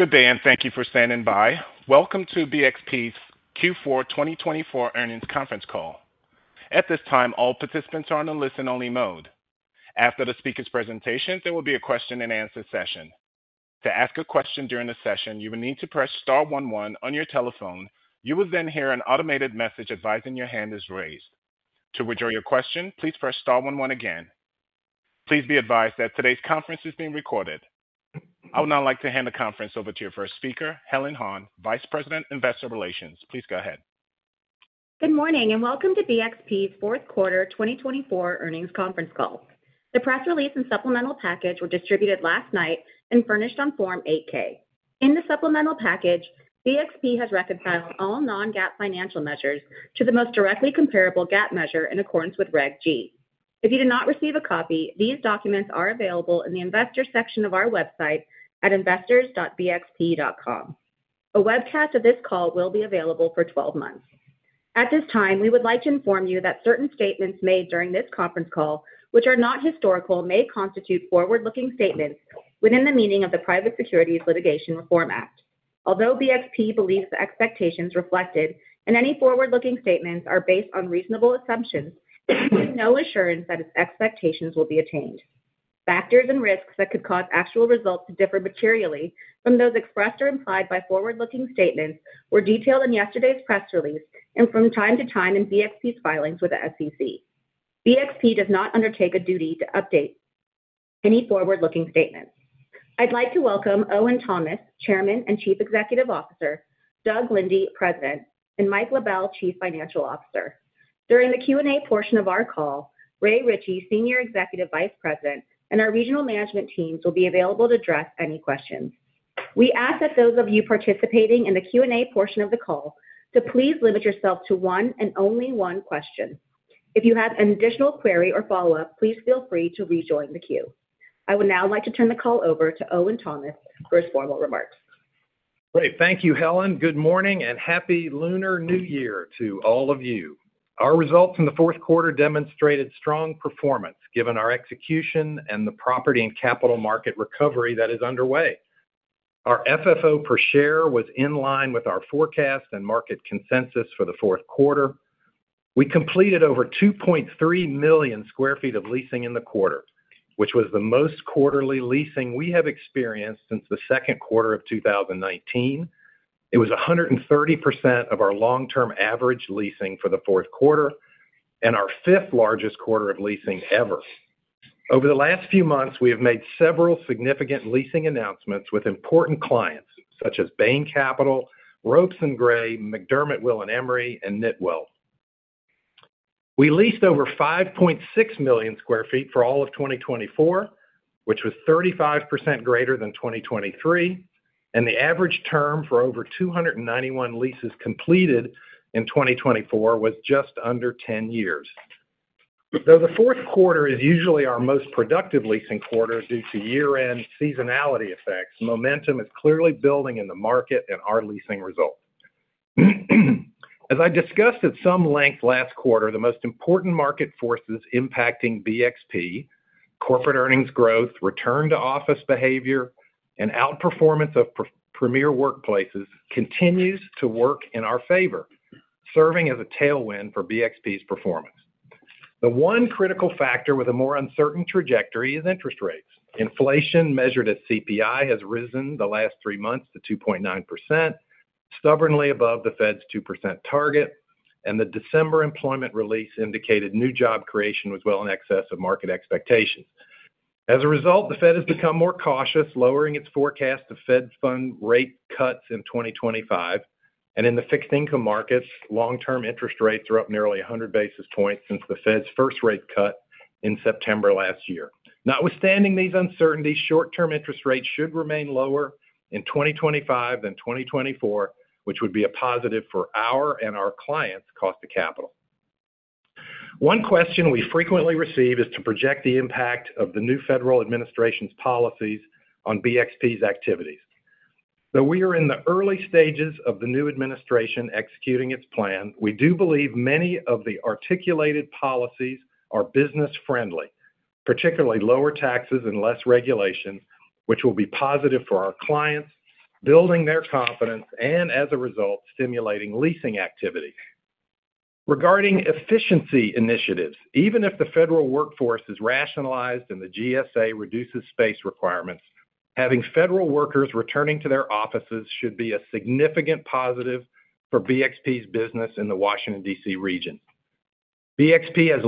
Good day, and thank you for standing by. Welcome to BXP's Q4 2024 earnings conference call. At this time, all participants are on a listen-only mode. After the speaker's presentation, there will be a question-and-answer session. To ask a question during the session, you will need to press star 11 on your telephone. You will then hear an automated message advising your hand is raised. To withdraw your question, please press star 11 again. Please be advised that today's conference is being recorded. I would now like to hand the conference over to your first speaker, Helen Han, Vice President, Investor Relations. Please go ahead. Good morning, and welcome to BXP's fourth quarter 2024 earnings conference call. The press release and supplemental package were distributed last night and furnished on Form 8-K. In the supplemental package, BXP has reconciled all non-GAAP financial measures to the most directly comparable GAAP measure in accordance with Reg G. If you did not receive a copy, these documents are available in the investor section of our website at investors.bxp.com. A webcast of this call will be available for 12 months. At this time, we would like to inform you that certain statements made during this conference call, which are not historical, may constitute forward-looking statements within the meaning of the Private Securities Litigation Reform Act. Although BXP believes the expectations reflected in any forward-looking statements are based on reasonable assumptions, there is no assurance that its expectations will be attained. Factors and risks that could cause actual results to differ materially from those expressed or implied by forward-looking statements were detailed in yesterday's press release and from time to time in BXP's filings with the SEC. BXP does not undertake a duty to update any forward-looking statements. I'd like to welcome Owen Thomas, Chairman and Chief Executive Officer, Doug Linde, President, and Mike LaBelle, Chief Financial Officer. During the Q&A portion of our call, Ray Ritchey, Senior Executive Vice President, and our regional management teams will be available to address any questions. We ask that those of you participating in the Q&A portion of the call to please limit yourself to one and only one question. If you have an additional query or follow-up, please feel free to rejoin the queue. I would now like to turn the call over to Owen Thomas for his formal remarks. Great. Thank you, Helen. Good morning and happy Lunar New Year to all of you. Our results in the fourth quarter demonstrated strong performance given our execution and the property and capital market recovery that is underway. Our FFO per share was in line with our forecast and market consensus for the fourth quarter. We completed over 2.3 million sq ft of leasing in the quarter, which was the most quarterly leasing we have experienced since the second quarter of 2019. It was 130% of our long-term average leasing for the fourth quarter and our fifth largest quarter of leasing ever. Over the last few months, we have made several significant leasing announcements with important clients such as Bain Capital, Ropes & Gray, McDermott Will & Emery, and KnitWell. We leased over 5.6 million sq ft for all of 2024, which was 35% greater than 2023, and the average term for over 291 leases completed in 2024 was just under 10 years. Though the fourth quarter is usually our most productive leasing quarter due to year-end seasonality effects, momentum is clearly building in the market and our leasing results. As I discussed at some length last quarter, the most important market forces impacting BXP, corporate earnings growth, return-to-office behavior, and outperformance of Premier Workplaces continues to work in our favor, serving as a tailwind for BXP's performance. The one critical factor with a more uncertain trajectory is interest rates. Inflation, measured as CPI, has risen the last three months to 2.9%, stubbornly above the Fed's 2% target, and the December employment release indicated new job creation was well in excess of market expectations. As a result, the Fed has become more cautious, lowering its forecast of Fed funds rate cuts in 2025, and in the fixed income markets, long-term interest rates are up nearly 100 basis points since the Fed's first rate cut in September last year. Notwithstanding these uncertainties, short-term interest rates should remain lower in 2025 than 2024, which would be a positive for our and our clients' cost of capital. One question we frequently receive is to project the impact of the new federal administration's policies on BXP's activities. Though we are in the early stages of the new administration executing its plan, we do believe many of the articulated policies are business-friendly, particularly lower taxes and less regulation, which will be positive for our clients, building their confidence, and as a result, stimulating leasing activity. Regarding efficiency initiatives, even if the federal workforce is rationalized and the GSA reduces space requirements, having federal workers returning to their offices should be a significant positive for BXP's business in the Washington, D.C. region. BXP has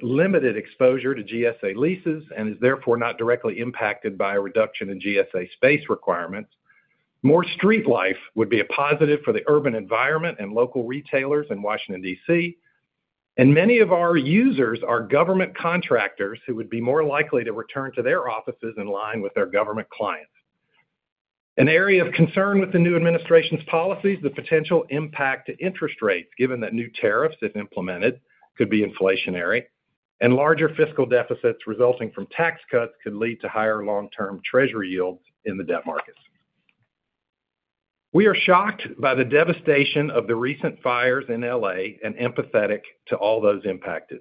limited exposure to GSA leases and is therefore not directly impacted by a reduction in GSA space requirements. More street life would be a positive for the urban environment and local retailers in Washington, D.C., and many of our users are government contractors who would be more likely to return to their offices in line with their government clients. An area of concern with the new administration's policies is the potential impact to interest rates, given that new tariffs if implemented could be inflationary, and larger fiscal deficits resulting from tax cuts could lead to higher long-term treasury yields in the debt markets. We are shocked by the devastation of the recent fires in L.A. and empathetic to all those impacted.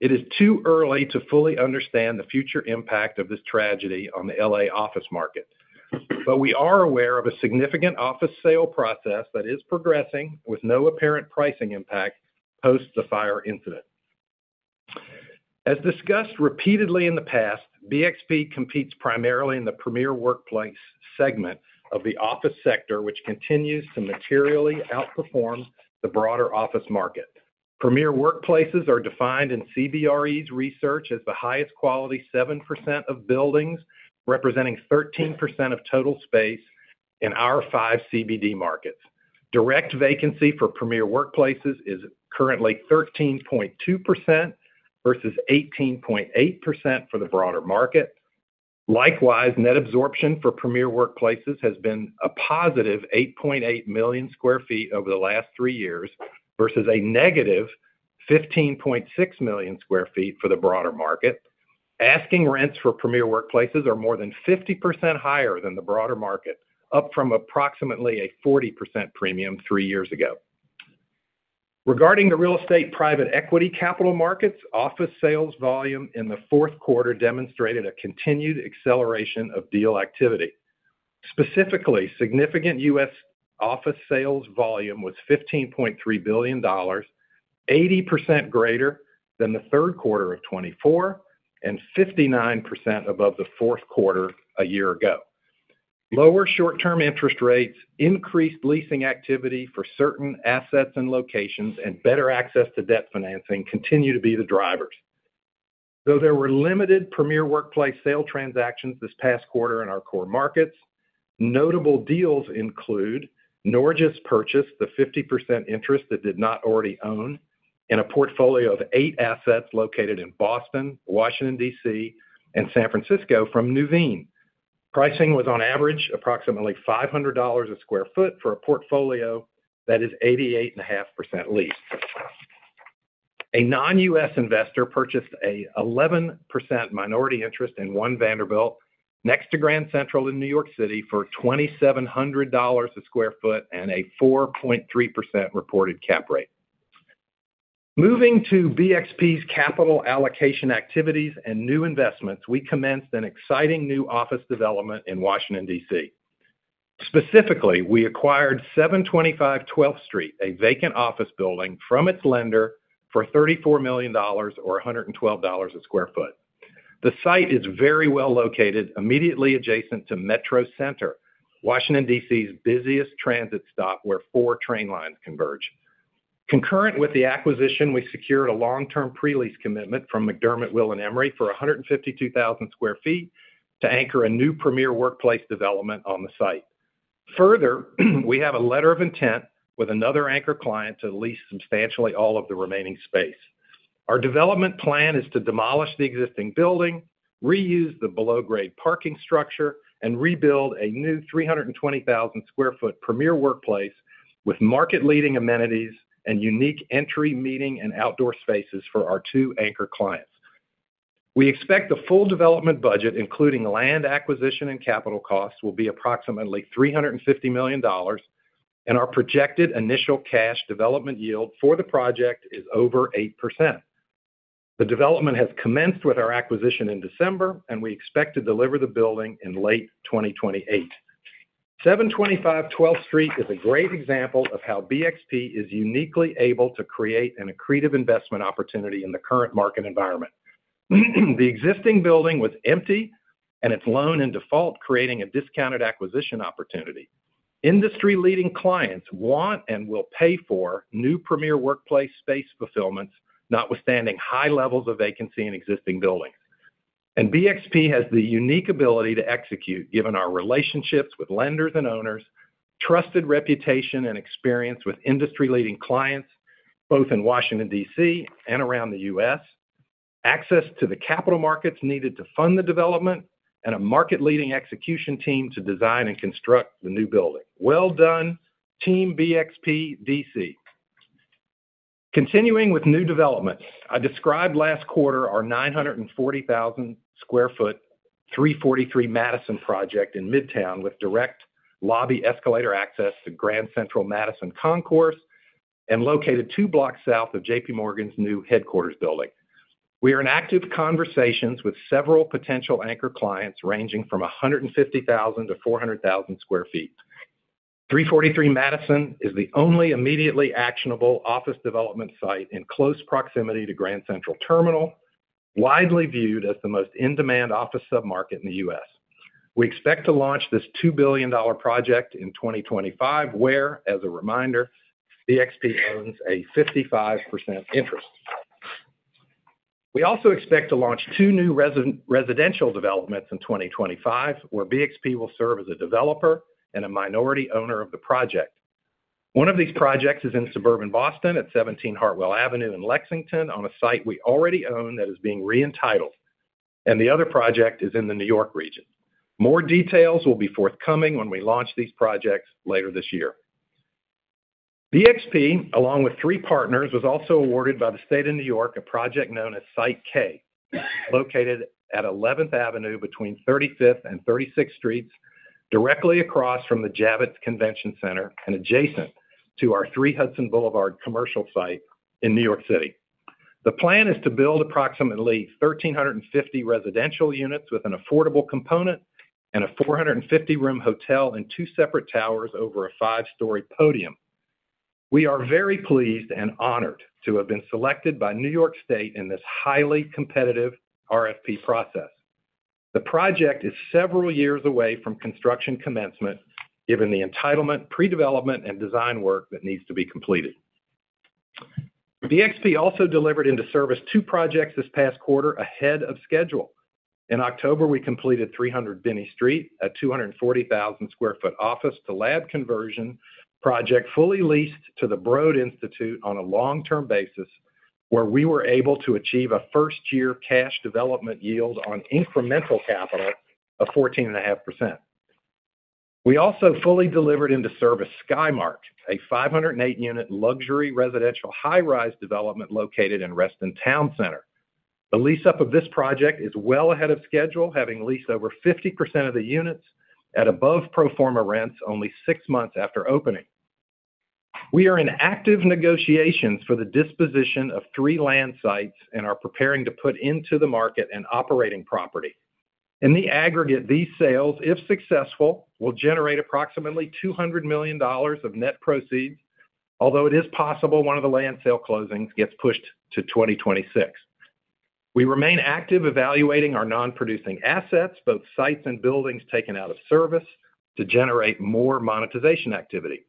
It is too early to fully understand the future impact of this tragedy on the L.A. office market, but we are aware of a significant office sale process that is progressing with no apparent pricing impact post the fire incident. As discussed repeatedly in the past, BXP competes primarily in the premier workplace segment of the office sector, which continues to materially outperform the broader office market. Premier workplaces are defined in CBRE's research as the highest quality 7% of buildings, representing 13% of total space in our five CBD markets. Direct vacancy for premier workplaces is currently 13.2% versus 18.8% for the broader market. Likewise, net absorption for premier workplaces has been a positive 8.8 million sq ft over the last three years versus a negative 15.6 million sq ft for the broader market. Asking rents for premier workplaces are more than 50% higher than the broader market, up from approximately a 40% premium three years ago. Regarding the real estate private equity capital markets, office sales volume in the fourth quarter demonstrated a continued acceleration of deal activity. Specifically, significant U.S. office sales volume was $15.3 billion, 80% greater than the third quarter of 2024 and 59% above the fourth quarter a year ago. Lower short-term interest rates, increased leasing activity for certain assets and locations, and better access to debt financing continue to be the drivers. Though there were limited Premier Workplace sale transactions this past quarter in our core markets, notable deals include Norges purchased the 50% interest that did not already own in a portfolio of eight assets located in Boston, Washington, D.C., and San Francisco from Nuveen. Pricing was on average approximately $500/sq ft for a portfolio that is 88.5% leased. A non-U.S. investor purchased an 11% minority interest in One Vanderbilt next to Grand Central in New York City for $2,700/sq ft and a 4.3% reported cap rate. Moving to BXP's capital allocation activities and new investments, we commenced an exciting new office development in Washington, D.C. Specifically, we acquired 725 12th Street, a vacant office building from its lender for $34 million, or $112/sq ft. The site is very well located immediately adjacent to Metro Center, Washington, D.C.'s busiest transit stop where four train lines converge. Concurrent with the acquisition, we secured a long-term pre-lease commitment from McDermott Will & Emery for 152,000 sq ft to anchor a new premier workplace development on the site. Further, we have a letter of intent with another anchor client to lease substantially all of the remaining space. Our development plan is to demolish the existing building, reuse the below-grade parking structure, and rebuild a new 320,000 sq ft premier workplace with market-leading amenities and unique entry, meeting, and outdoor spaces for our two anchor clients. We expect the full development budget, including land acquisition and capital costs, will be approximately $350 million, and our projected initial cash development yield for the project is over 8%. The development has commenced with our acquisition in December, and we expect to deliver the building in late 2028. 725 12th Street is a great example of how BXP is uniquely able to create an accretive investment opportunity in the current market environment. The existing building was empty, and it's loaned in default, creating a discounted acquisition opportunity. Industry-leading clients want and will pay for new Premier Workplace space fulfillments, notwithstanding high levels of vacancy in existing buildings. And BXP has the unique ability to execute, given our relationships with lenders and owners, trusted reputation, and experience with industry-leading clients, both in Washington, D.C. and around the U.S., access to the capital markets needed to fund the development, and a market-leading execution team to design and construct the new building. Well done, Team BXP D.C. Continuing with new developments, I described last quarter our 940,000 sq ft 343 Madison project in Midtown with direct lobby escalator access to Grand Central Madison concourse and located two blocks south of J.P. Morgan's new headquarters building. We are in active conversations with several potential anchor clients ranging from 150,000-400,000 sq ft. 343 Madison is the only immediately actionable office development site in close proximity to Grand Central Terminal, widely viewed as the most in-demand office submarket in the U.S. We expect to launch this $2 billion project in 2025, where, as a reminder, BXP owns a 55% interest. We also expect to launch two new residential developments in 2025, where BXP will serve as a developer and a minority owner of the project. One of these projects is in suburban Boston at 17 Hartwell Avenue in Lexington on a site we already own that is being re-entitled, and the other project is in the New York region. More details will be forthcoming when we launch these projects later this year. BXP, along with three partners, was also awarded by the state of New York a project known as Site K, located at 11th Avenue between 35th and 36th Streets, directly across from the Javits Convention Center and adjacent to our 3 Hudson Boulevard commercial site in New York City. The plan is to build approximately 1,350 residential units with an affordable component and a 450-room hotel in two separate towers over a five-story podium. We are very pleased and honored to have been selected by New York State in this highly competitive RFP process. The project is several years away from construction commencement, given the entitlement, pre-development, and design work that needs to be completed. BXP also delivered into service two projects this past quarter ahead of schedule. In October, we completed 300 Binney Street at 240,000 sq ft office to lab conversion project fully leased to the Broad Institute on a long-term basis, where we were able to achieve a first-year cash development yield on incremental capital of 14.5%. We also fully delivered into service Skymark, a 508-unit luxury residential high-rise development located in Reston Town Center. The lease-up of this project is well ahead of schedule, having leased over 50% of the units at above pro forma rents only six months after opening. We are in active negotiations for the disposition of three land sites and are preparing to put into the market an operating property. In the aggregate, these sales, if successful, will generate approximately $200 million of net proceeds, although it is possible one of the land sale closings gets pushed to 2026. We remain active evaluating our non-producing assets, both sites and buildings taken out of service, to generate more monetization activity.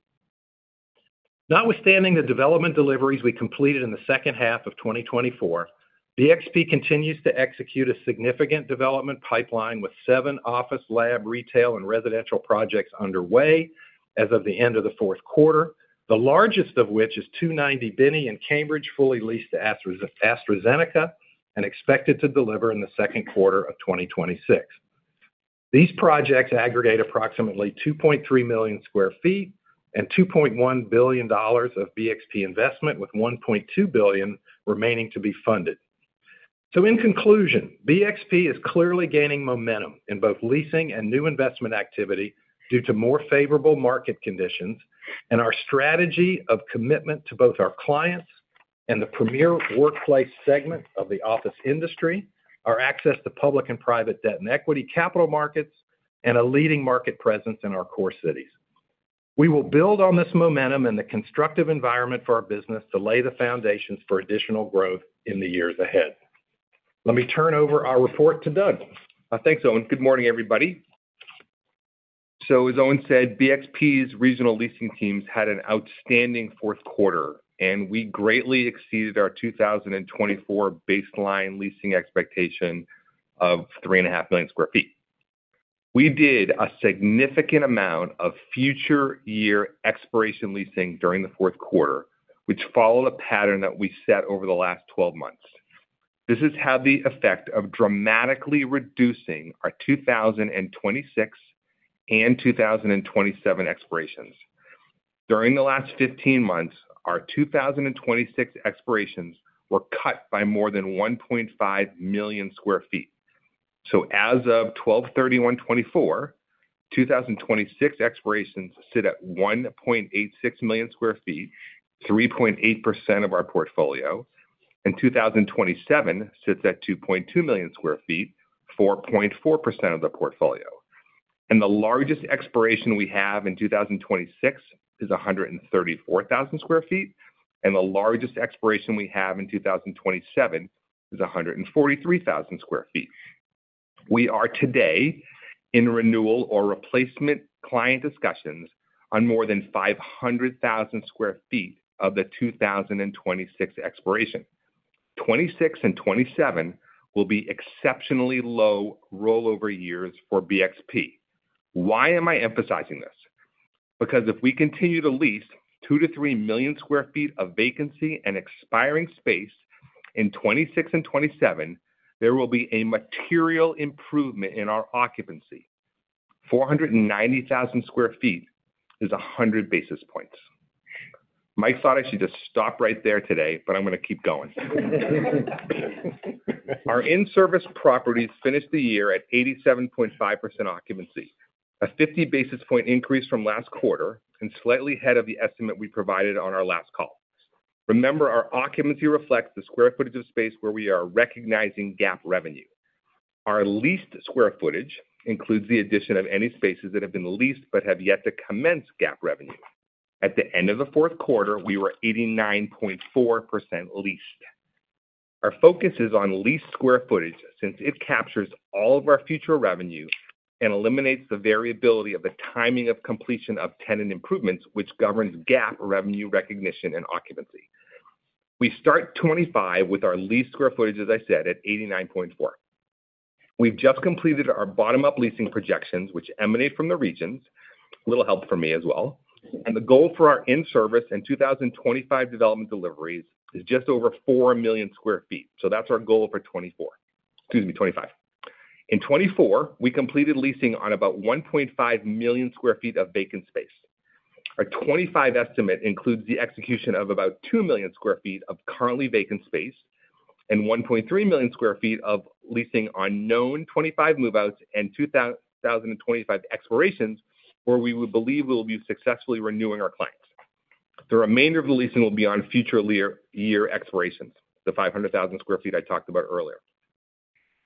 Notwithstanding the development deliveries we completed in the second half of 2024, BXP continues to execute a significant development pipeline with seven office, lab, retail, and residential projects underway as of the end of the fourth quarter, the largest of which is 290 Binney in Cambridge fully leased to AstraZeneca and expected to deliver in the second quarter of 2026. These projects aggregate approximately 2.3 million sq ft and $2.1 billion of BXP investment, with $1.2 billion remaining to be funded. In conclusion, BXP is clearly gaining momentum in both leasing and new investment activity due to more favorable market conditions, and our strategy of commitment to both our clients and the Premier Workplace segment of the office industry, our access to public and private debt and equity capital markets, and a leading market presence in our core cities. We will build on this momentum and the constructive environment for our business to lay the foundations for additional growth in the years ahead. Let me turn over our report to Doug. Thanks, Owen. Good morning, everybody. As Owen said, BXP's regional leasing teams had an outstanding fourth quarter, and we greatly exceeded our 2024 baseline leasing expectation of 3.5 million sq ft. We did a significant amount of future year expiration leasing during the fourth quarter, which followed a pattern that we set over the last 12 months. This has had the effect of dramatically reducing our 2026 and 2027 expirations. During the last 15 months, our 2026 expirations were cut by more than 1.5 million sq ft. So, as of December 31, 2024, 2026 expirations sit at 1.86 million sq ft, 3.8% of our portfolio, and 2027 sits at 2.2 million sq ft, 4.4% of the portfolio. The largest expiration we have in 2026 is 134,000 sq ft, and the largest expiration we have in 2027 is 143,000 sq ft. We are today in renewal or replacement client discussions on more than 500,000 sq ft of the 2026 expiration. 26 and 27 will be exceptionally low rollover years for BXP. Why am I emphasizing this? Because if we continue to lease 2-3 million sq ft of vacancy and expiring space in 26 and 27, there will be a material improvement in our occupancy. 490,000 sq ft is 100 basis points. Mike thought I should just stop right there today, but I'm going to keep going. Our in-service properties finished the year at 87.5% occupancy, a 50 basis points increase from last quarter and slightly ahead of the estimate we provided on our last call. Remember, our occupancy reflects the square footage of space where we are recognizing GAAP revenue. Our leased square footage includes the addition of any spaces that have been leased but have yet to commence GAAP revenue. At the end of the fourth quarter, we were 89.4% leased. Our focus is on leased square footage since it captures all of our future revenue and eliminates the variability of the timing of completion of tenant improvements, which governs GAAP revenue recognition and occupancy. We start 2025 with our leased square footage, as I said, at 89.4%. We've just completed our bottom-up leasing projections, which emanate from the regions. A little help from me as well. The goal for our in-service and 2025 development deliveries is just over 4 million sq ft. So that's our goal for 2024. Excuse me, 2025. In 2024, we completed leasing on about 1.5 million sq ft of vacant space. Our 2025 estimate includes the execution of about 2 million sq ft of currently vacant space and 1.3 million sq ft of leasing on known 2025 move-outs and 2025 expirations where we believe we will be successfully renewing our clients. The remainder of the leasing will be on future year expirations, the 500,000 sq ft I talked about earlier.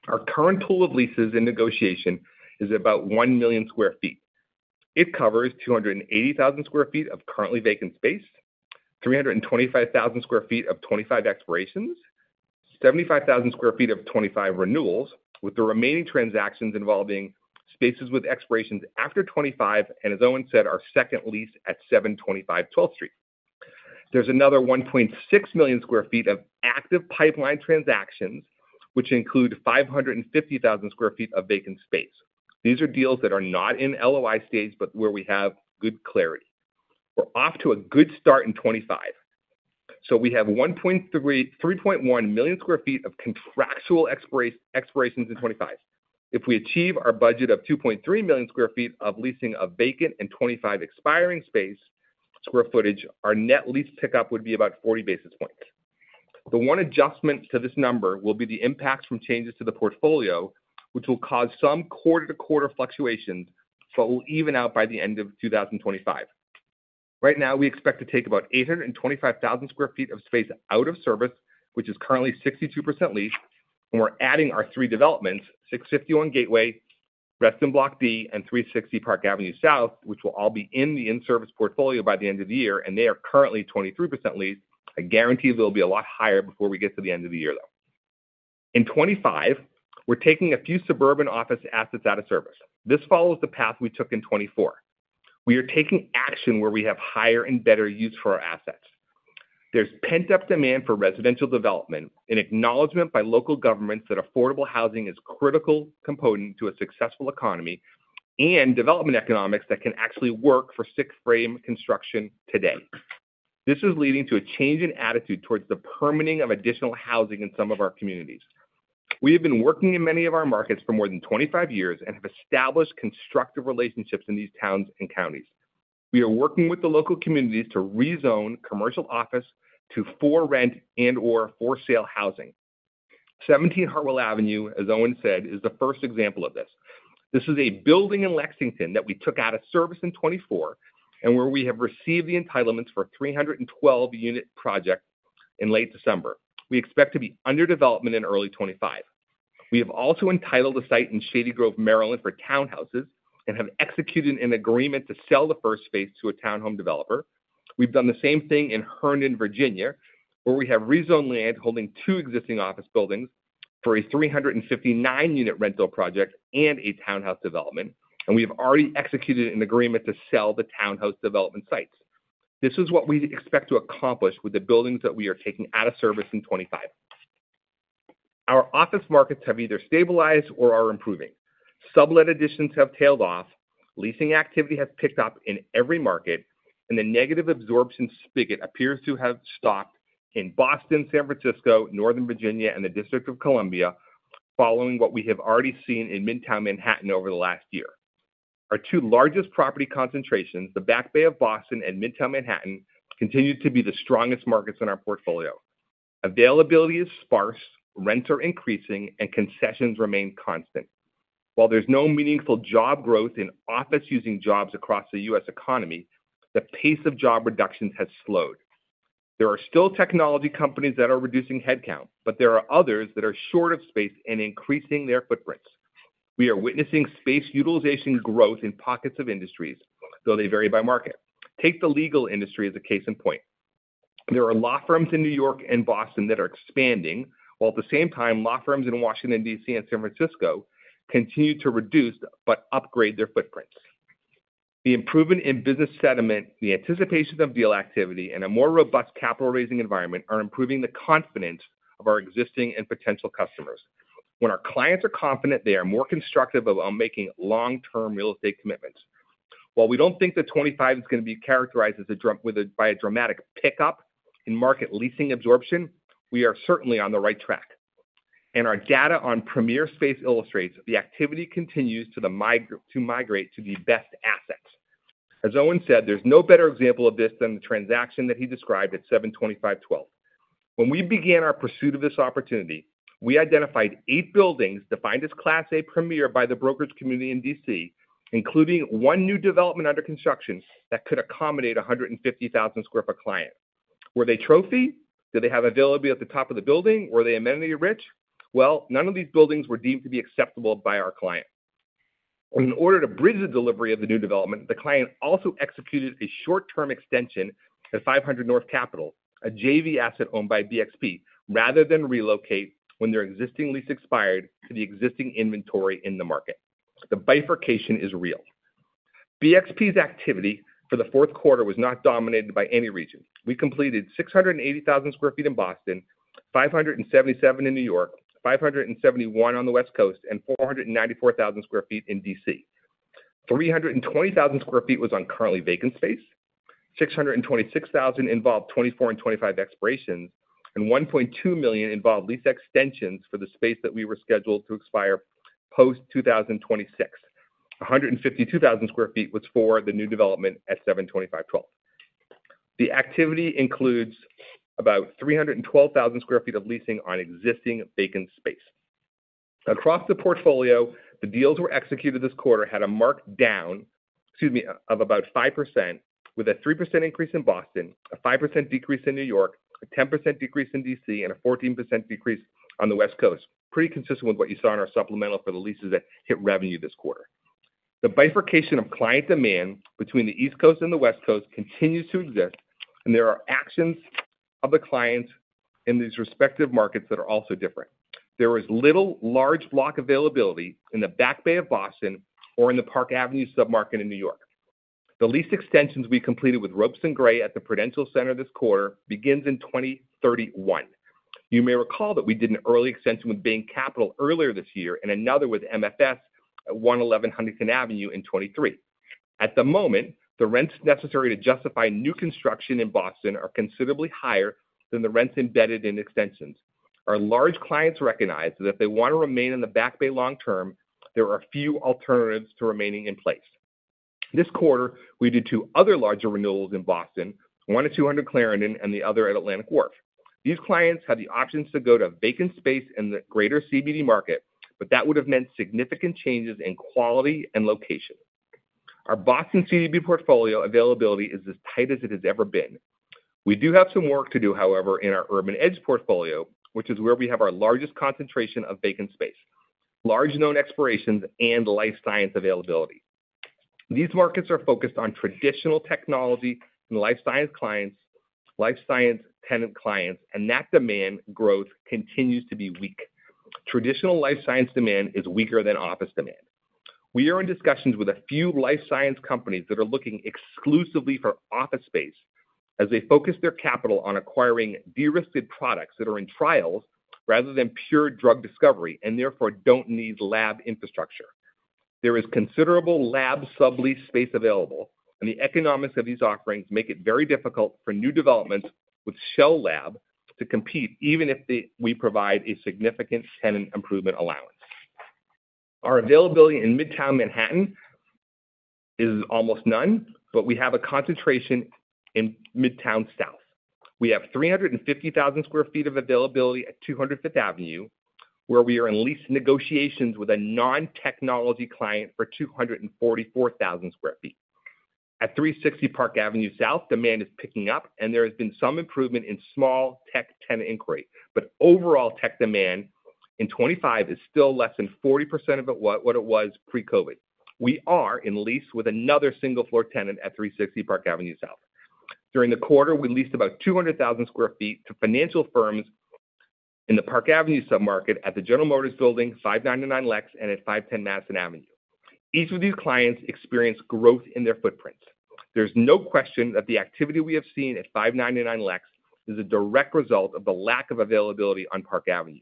Our current pool of leases in negotiation is about 1 million sq ft. It covers 280,000 sq ft of currently vacant space, 325,000 sq ft of 2025 expirations, 75,000 sq ft of 2025 renewals, with the remaining transactions involving spaces with expirations after 2025, and as Owen said, our second lease at 725 12th Street. There's another 1.6 million sq ft of active pipeline transactions, which include 550,000 sq ft of vacant space. These are deals that are not in LOI stage, but where we have good clarity. We're off to a good start in 2025. So we have 1.31 million sq ft of contractual expirations in 2025. If we achieve our budget of 2.3 million sq ft of leasing of vacant and 2025 expiring space square footage, our net lease pickup would be about 40 basis points. The one adjustment to this number will be the impacts from changes to the portfolio, which will cause some quarter-to-quarter fluctuations, but we'll even out by the end of 2025. Right now, we expect to take about 825,000 sq ft of space out of service, which is currently 62% leased, and we're adding our three developments, 651 Gateway, Reston Block D, and 360 Park Avenue South, which will all be in the in-service portfolio by the end of the year, and they are currently 23% leased. I guarantee there'll be a lot higher before we get to the end of the year, though. In 2025, we're taking a few suburban office assets out of service. This follows the path we took in 2024. We are taking action where we have higher and better use for our assets. There's pent-up demand for residential development, an acknowledgment by local governments that affordable housing is a critical component to a successful economy, and development economics that can actually work for stick-frame construction today. This is leading to a change in attitude towards the permitting of additional housing in some of our communities. We have been working in many of our markets for more than 25 years and have established constructive relationships in these towns and counties. We are working with the local communities to rezone commercial office to for-rent and/or for-sale housing. 17 Hartwell Avenue, as Owen said, is the first example of this. This is a building in Lexington that we took out of service in 2024 and where we have received the entitlements for a 312-unit project in late December. We expect to be under development in early 2025. We have also entitled a site in Shady Grove, Maryland, for townhouses and have executed an agreement to sell the first phase to a townhome developer. We've done the same thing in Herndon, Virginia, where we have rezoned land holding two existing office buildings for a 359-unit rental project and a townhouse development, and we have already executed an agreement to sell the townhouse development sites. This is what we expect to accomplish with the buildings that we are taking out of service in 2025. Our office markets have either stabilized or are improving. Sublease additions have tailed off, leasing activity has picked up in every market, and the negative absorption spigot appears to have stopped in Boston, San Francisco, Northern Virginia, and the District of Columbia, following what we have already seen in Midtown Manhattan over the last year. Our two largest property concentrations, the Back Bay of Boston and Midtown Manhattan, continue to be the strongest markets in our portfolio. Availability is sparse, rents are increasing, and concessions remain constant. While there's no meaningful job growth in office-using jobs across the U.S. economy, the pace of job reductions has slowed. There are still technology companies that are reducing headcount, but there are others that are short of space and increasing their footprints. We are witnessing space utilization growth in pockets of industries, though they vary by market. Take the legal industry as a case in point. There are law firms in New York and Boston that are expanding, while at the same time, law firms in Washington, D.C. and San Francisco continue to reduce but upgrade their footprints. The improvement in business sentiment, the anticipation of deal activity, and a more robust capital-raising environment are improving the confidence of our existing and potential customers. When our clients are confident, they are more constructive about making long-term real estate commitments. While we don't think that 2025 is going to be characterized by a dramatic pickup in market leasing absorption, we are certainly on the right track. And our data on premier space illustrates the activity continues to migrate to the best assets. As Owen said, there's no better example of this than the transaction that he described at 725 12th. When we began our pursuit of this opportunity, we identified eight buildings defined as Class A Premier by the brokerage community in D.C., including one new development under construction that could accommodate 150,000 sq ft client. Were they trophy? Did they have availability at the top of the building? Were they amenity-rich? Well, none of these buildings were deemed to be acceptable by our client. In order to bridge the delivery of the new development, the client also executed a short-term extension at 500 North Capitol, a JV asset owned by BXP, rather than relocate when their existing lease expired to the existing inventory in the market. The bifurcation is real. BXP's activity for the fourth quarter was not dominated by any region. We completed 680,000 sq ft in Boston, 577,000 sq ft in New York, 571,000 sq ft on the West Coast, and 494,000 sq ft in D.C. 320,000 sq ft was on currently vacant space. 626,000 sq ft involved 2024 and 2025 expirations, and 1.2 million sq ft involved lease extensions for the space that we were scheduled to expire post-2026. 152,000 sq ft was for the new development at 725 12th Street. The activity includes about 312,000 sq ft of leasing on existing vacant space. Across the portfolio, the deals we executed this quarter had a marked down, excuse me, of about 5%, with a 3% increase in Boston, a 5% decrease in New York, a 10% decrease in D.C., and a 14% decrease on the West Coast. Pretty consistent with what you saw in our supplemental for the leases that hit revenue this quarter. The bifurcation of client demand between the East Coast and the West Coast continues to exist, and there are actions of the clients in these respective markets that are also different. There is little large block availability in the Back Bay of Boston or in the Park Avenue submarket in New York. The lease extensions we completed with Ropes and Gray at the Prudential Center this quarter begin in 2031. You may recall that we did an early extension with Bain Capital earlier this year and another with MFS at 111 Huntington Avenue in 2023. At the moment, the rents necessary to justify new construction in Boston are considerably higher than the rents embedded in extensions. Our large clients recognize that if they want to remain in the Back Bay long-term, there are few alternatives to remaining in place. This quarter, we did two other larger renewals in Boston, one at 200 Clarendon and the other at Atlantic Wharf. These clients have the options to go to vacant space in the greater CBD market, but that would have meant significant changes in quality and location. Our Boston CBD portfolio availability is as tight as it has ever been. We do have some work to do, however, in our Urban Edge portfolio, which is where we have our largest concentration of vacant space, large known expirations, and life science availability. These markets are focused on traditional technology and life science clients, life science tenant clients, and that demand growth continues to be weak. Traditional life science demand is weaker than office demand. We are in discussions with a few life science companies that are looking exclusively for office space as they focus their capital on acquiring de-risked products that are in trials rather than pure drug discovery and therefore don't need lab infrastructure. There is considerable lab sublease space available, and the economics of these offerings make it very difficult for new developments with shell lab to compete even if we provide a significant tenant improvement allowance. Our availability in Midtown Manhattan is almost none, but we have a concentration in Midtown South. We have 350,000 sq ft of availability at 200 Fifth Avenue, where we are in lease negotiations with a non-technology client for 244,000 sq ft. At 360 Park Avenue South, demand is picking up, and there has been some improvement in small tech tenant inquiry, but overall tech demand in 2025 is still less than 40% of what it was pre-COVID. We are in lease with another single-floor tenant at 360 Park Avenue South. During the quarter, we leased about 200,000 sq ft to financial firms in the Park Avenue submarket at the General Motors Building, 599 Lex, and at 510 Madison Avenue. Each of these clients experienced growth in their footprints. There's no question that the activity we have seen at 599 Lex is a direct result of the lack of availability on Park Avenue.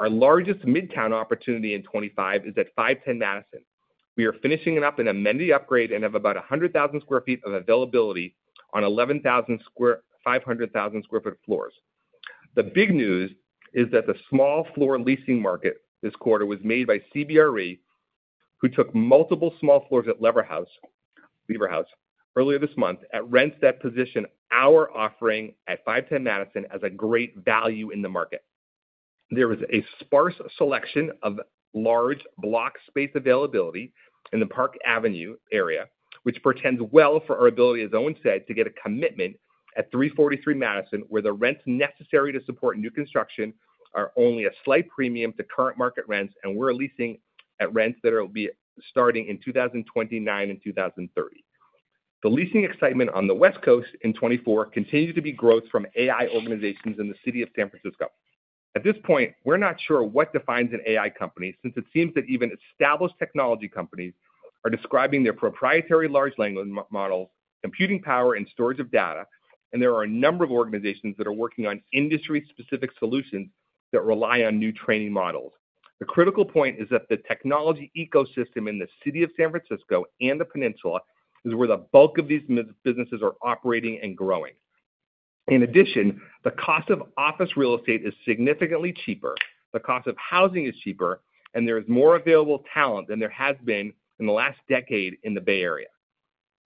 Our largest Midtown opportunity in 2025 is at 510 Madison. We are finishing up an amenity upgrade and have about 100,000 sq ft of availability on 115,000-500,000 sq ft floors. The big news is that the small-floor leasing market this quarter was made by CBRE, who took multiple small floors at Lever House earlier this month at rents that position our offering at 510 Madison as a great value in the market. There is a sparse selection of large block space availability in the Park Avenue area, which portends well for our ability, as Owen said, to get a commitment at 343 Madison, where the rents necessary to support new construction are only a slight premium to current market rents, and we're leasing at rents that will be starting in 2029 and 2030. The leasing excitement on the West Coast in 2024 continued to be growth from AI organizations in the city of San Francisco. At this point, we're not sure what defines an AI company since it seems that even established technology companies are describing their proprietary large language models, computing power, and storage of data, and there are a number of organizations that are working on industry-specific solutions that rely on new training models. The critical point is that the technology ecosystem in the city of San Francisco and the peninsula is where the bulk of these businesses are operating and growing. In addition, the cost of office real estate is significantly cheaper, the cost of housing is cheaper, and there is more available talent than there has been in the last decade in the Bay Area.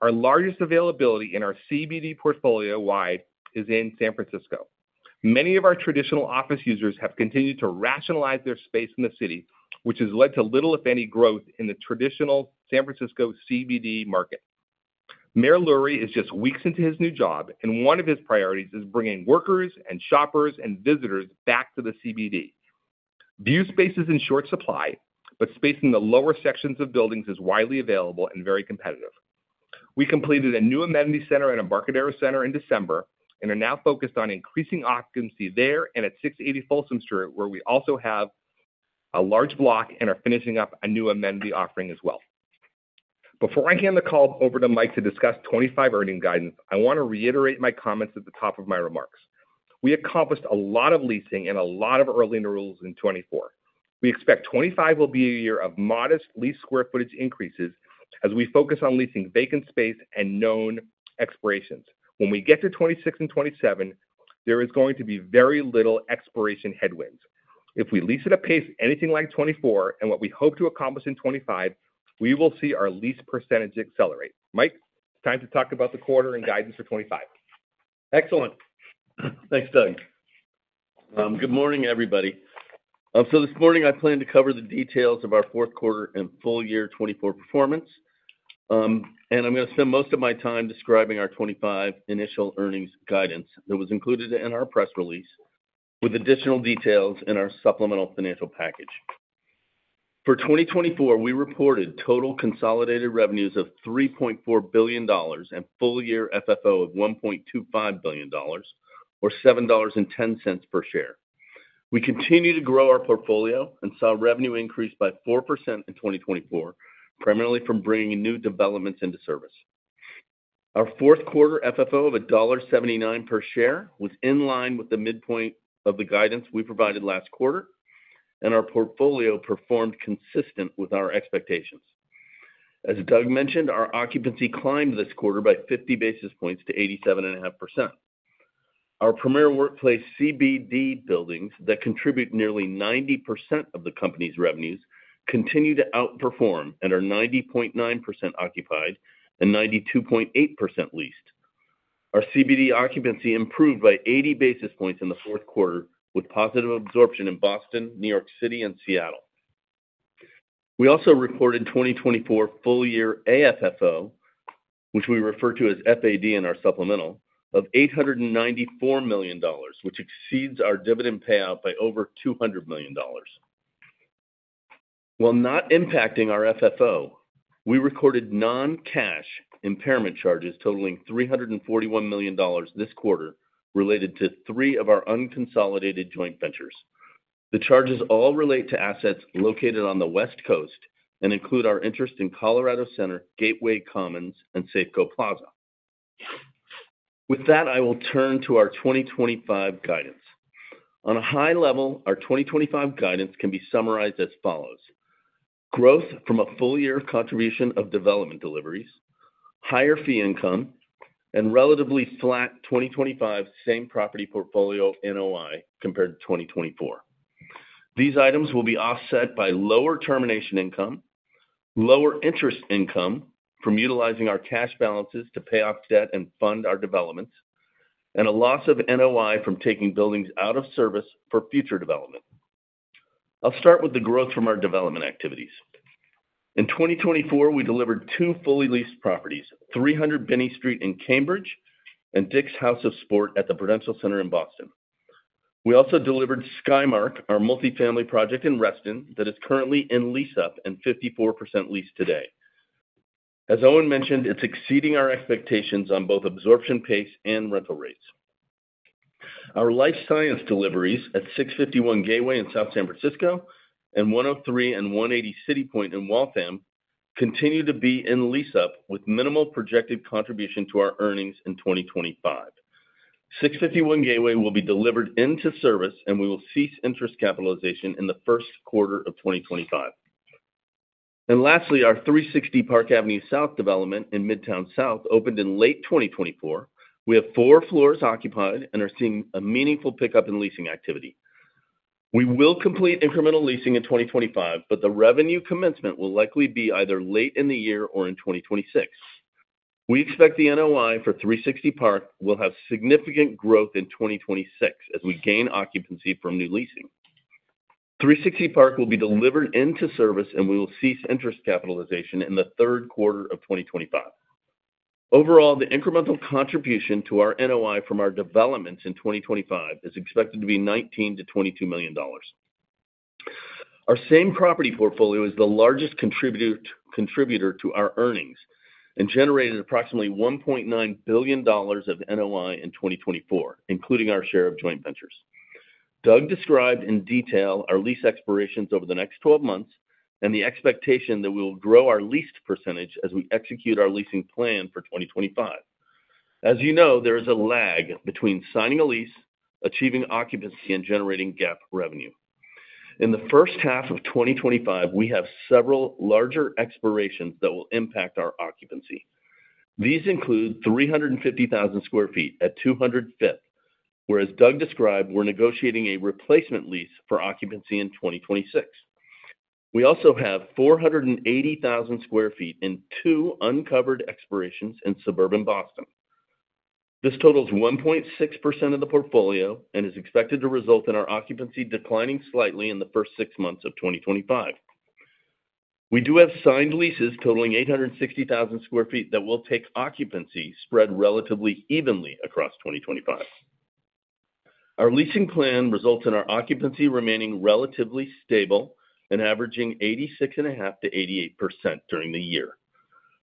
Our largest availability in our CBD portfolio wide is in San Francisco. Many of our traditional office users have continued to rationalize their space in the city, which has led to little, if any, growth in the traditional San Francisco CBD market. Mayor Lurie is just weeks into his new job, and one of his priorities is bringing workers and shoppers and visitors back to the CBD. View space is in short supply, but space in the lower sections of buildings is widely available and very competitive. We completed a new amenity center at Embarcadero Center in December and are now focused on increasing occupancy there and at 680 Folsom Street, where we also have a large block and are finishing up a new amenity offering as well. Before I hand the call over to Mike to discuss 2025 earnings guidance, I want to reiterate my comments at the top of my remarks. We accomplished a lot of leasing and a lot of early renewals in 2024. We expect 2025 will be a year of modest leased square footage increases as we focus on leasing vacant space and known expirations. When we get to 2026 and 2027, there is going to be very little expiration headwinds. If we lease at a pace anything like 2024 and what we hope to accomplish in 2025, we will see our leased percentage accelerate. Mike, it's time to talk about the quarter and guidance for 2025. Excellent. Thanks, Doug. Good morning, everybody. So this morning, I plan to cover the details of our fourth quarter and full year 2024 performance, and I'm going to spend most of my time describing our 2025 initial earnings guidance that was included in our press release with additional details in our supplemental financial package. For 2024, we reported total consolidated revenues of $3.4 billion and full year FFO of $1.25 billion, or $7.10 per share. We continue to grow our portfolio and saw revenue increase by 4% in 2024, primarily from bringing new developments into service. Our fourth quarter FFO of $1.79 per share was in line with the midpoint of the guidance we provided last quarter, and our portfolio performed consistent with our expectations. As Doug mentioned, our occupancy climbed this quarter by 50 basis points to 87.5%. Our Premier Workplace CBD buildings that contribute nearly 90% of the company's revenues continue to outperform and are 90.9% occupied and 92.8% leased. Our CBD occupancy improved by 80 basis points in the fourth quarter, with positive absorption in Boston, New York City, and Seattle. We also recorded 2024 full year AFFO, which we refer to as FAD in our supplemental, of $894 million, which exceeds our dividend payout by over $200 million. While not impacting our FFO, we recorded non-cash impairment charges totaling $341 million this quarter related to three of our unconsolidated joint ventures. The charges all relate to assets located on the West Coast and include our interest in Colorado Center, Gateway Commons, and Safeco Plaza. With that, I will turn to our 2025 guidance. On a high level, our 2025 guidance can be summarized as follows: growth from a full year contribution of development deliveries, higher fee income, and relatively flat 2025 same property portfolio NOI compared to 2024. These items will be offset by lower termination income, lower interest income from utilizing our cash balances to pay off debt and fund our developments, and a loss of NOI from taking buildings out of service for future development. I'll start with the growth from our development activities. In 2024, we delivered two fully leased properties, 300 Binney Street in Cambridge and Dick's House of Sport at the Prudential Center in Boston. We also delivered Skymark, our multifamily project in Reston that is currently in lease up and 54% leased today. As Owen mentioned, it's exceeding our expectations on both absorption pace and rental rates. Our life science deliveries at 651 Gateway in South San Francisco and 103 and 180 CityPoint in Waltham continue to be in lease up with minimal projected contribution to our earnings in 2025. 651 Gateway will be delivered into service, and we will cease interest capitalization in the first quarter of 2025, and lastly, our 360 Park Avenue South development in Midtown South opened in late 2024. We have four floors occupied and are seeing a meaningful pickup in leasing activity. We will complete incremental leasing in 2025, but the revenue commencement will likely be either late in the year or in 2026. We expect the NOI for 360 Park will have significant growth in 2026 as we gain occupancy from new leasing. 360 Park will be delivered into service, and we will cease interest capitalization in the third quarter of 2025. Overall, the incremental contribution to our NOI from our developments in 2025 is expected to be $19-$22 million. Our same property portfolio is the largest contributor to our earnings and generated approximately $1.9 billion of NOI in 2024, including our share of joint ventures. Doug described in detail our lease expirations over the next 12 months and the expectation that we will grow our lease percentage as we execute our leasing plan for 2025. As you know, there is a lag between signing a lease, achieving occupancy, and generating GAAP revenue. In the first half of 2025, we have several larger expirations that will impact our occupancy. These include 350,000 sq ft at 200 Fifth, where, as Doug described, we're negotiating a replacement lease for occupancy in 2026. We also have 480,000 sq ft in two uncovered expirations in suburban Boston. This totals 1.6% of the portfolio and is expected to result in our occupancy declining slightly in the first six months of 2025. We do have signed leases totaling 860,000 sq ft that will take occupancy spread relatively evenly across 2025. Our leasing plan results in our occupancy remaining relatively stable and averaging 86.5%-88% during the year.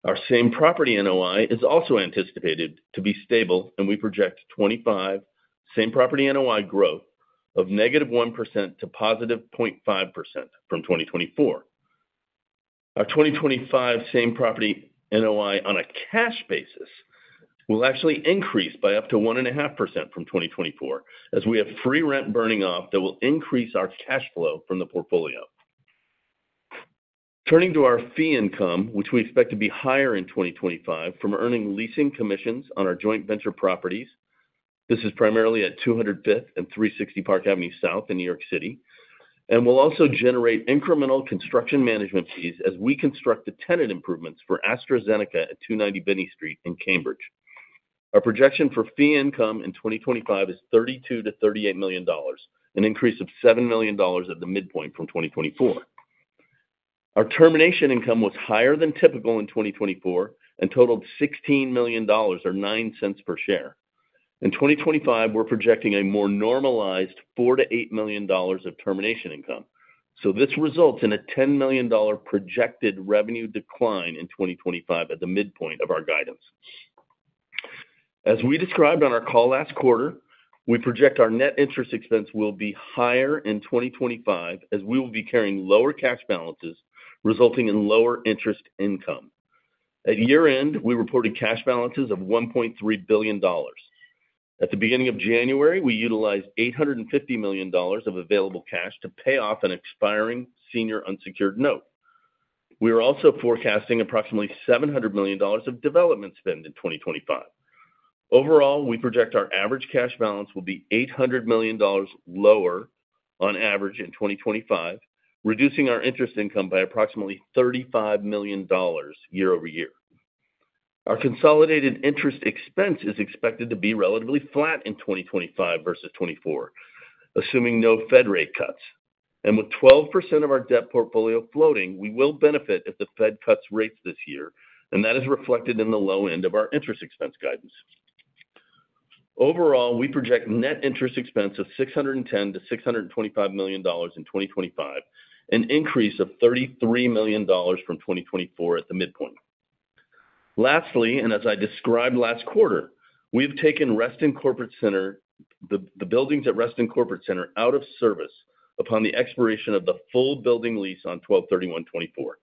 Our same property NOI is also anticipated to be stable, and we project 2025 same property NOI growth of -1% to +0.5% from 2024. Our 2025 same property NOI on a cash basis will actually increase by up to 1.5% from 2024 as we have free rent burning off that will increase our cash flow from the portfolio. Turning to our fee income, which we expect to be higher in 2025 from earning leasing commissions on our joint venture properties. This is primarily at 200 Fifth and 360 Park Avenue South in New York City, and we'll also generate incremental construction management fees as we construct the tenant improvements for AstraZeneca at 290 Binney Street in Cambridge. Our projection for fee income in 2025 is $32-$38 million, an increase of $7 million at the midpoint from 2024. Our termination income was higher than typical in 2024 and totaled $16 million or $0.09 per share. In 2025, we're projecting a more normalized $4-$8 million of termination income. So this results in a $10 million projected revenue decline in 2025 at the midpoint of our guidance. As we described on our call last quarter, we project our net interest expense will be higher in 2025 as we will be carrying lower cash balances, resulting in lower interest income. At year-end, we reported cash balances of $1.3 billion. At the beginning of January, we utilized $850 million of available cash to pay off an expiring senior unsecured note. We are also forecasting approximately $700 million of development spend in 2025. Overall, we project our average cash balance will be $800 million lower on average in 2025, reducing our interest income by approximately $35 million year over year. Our consolidated interest expense is expected to be relatively flat in 2025 versus 2024, assuming no Fed rate cuts. And with 12% of our debt portfolio floating, we will benefit if the Fed cuts rates this year, and that is reflected in the low end of our interest expense guidance. Overall, we project net interest expense of $610-$625 million in 2025, an increase of $33 million from 2024 at the midpoint. Lastly, and as I described last quarter, we have taken Reston Corporate Center, the buildings at Reston Corporate Center, out of service upon the expiration of the full building lease on December 31, 2024.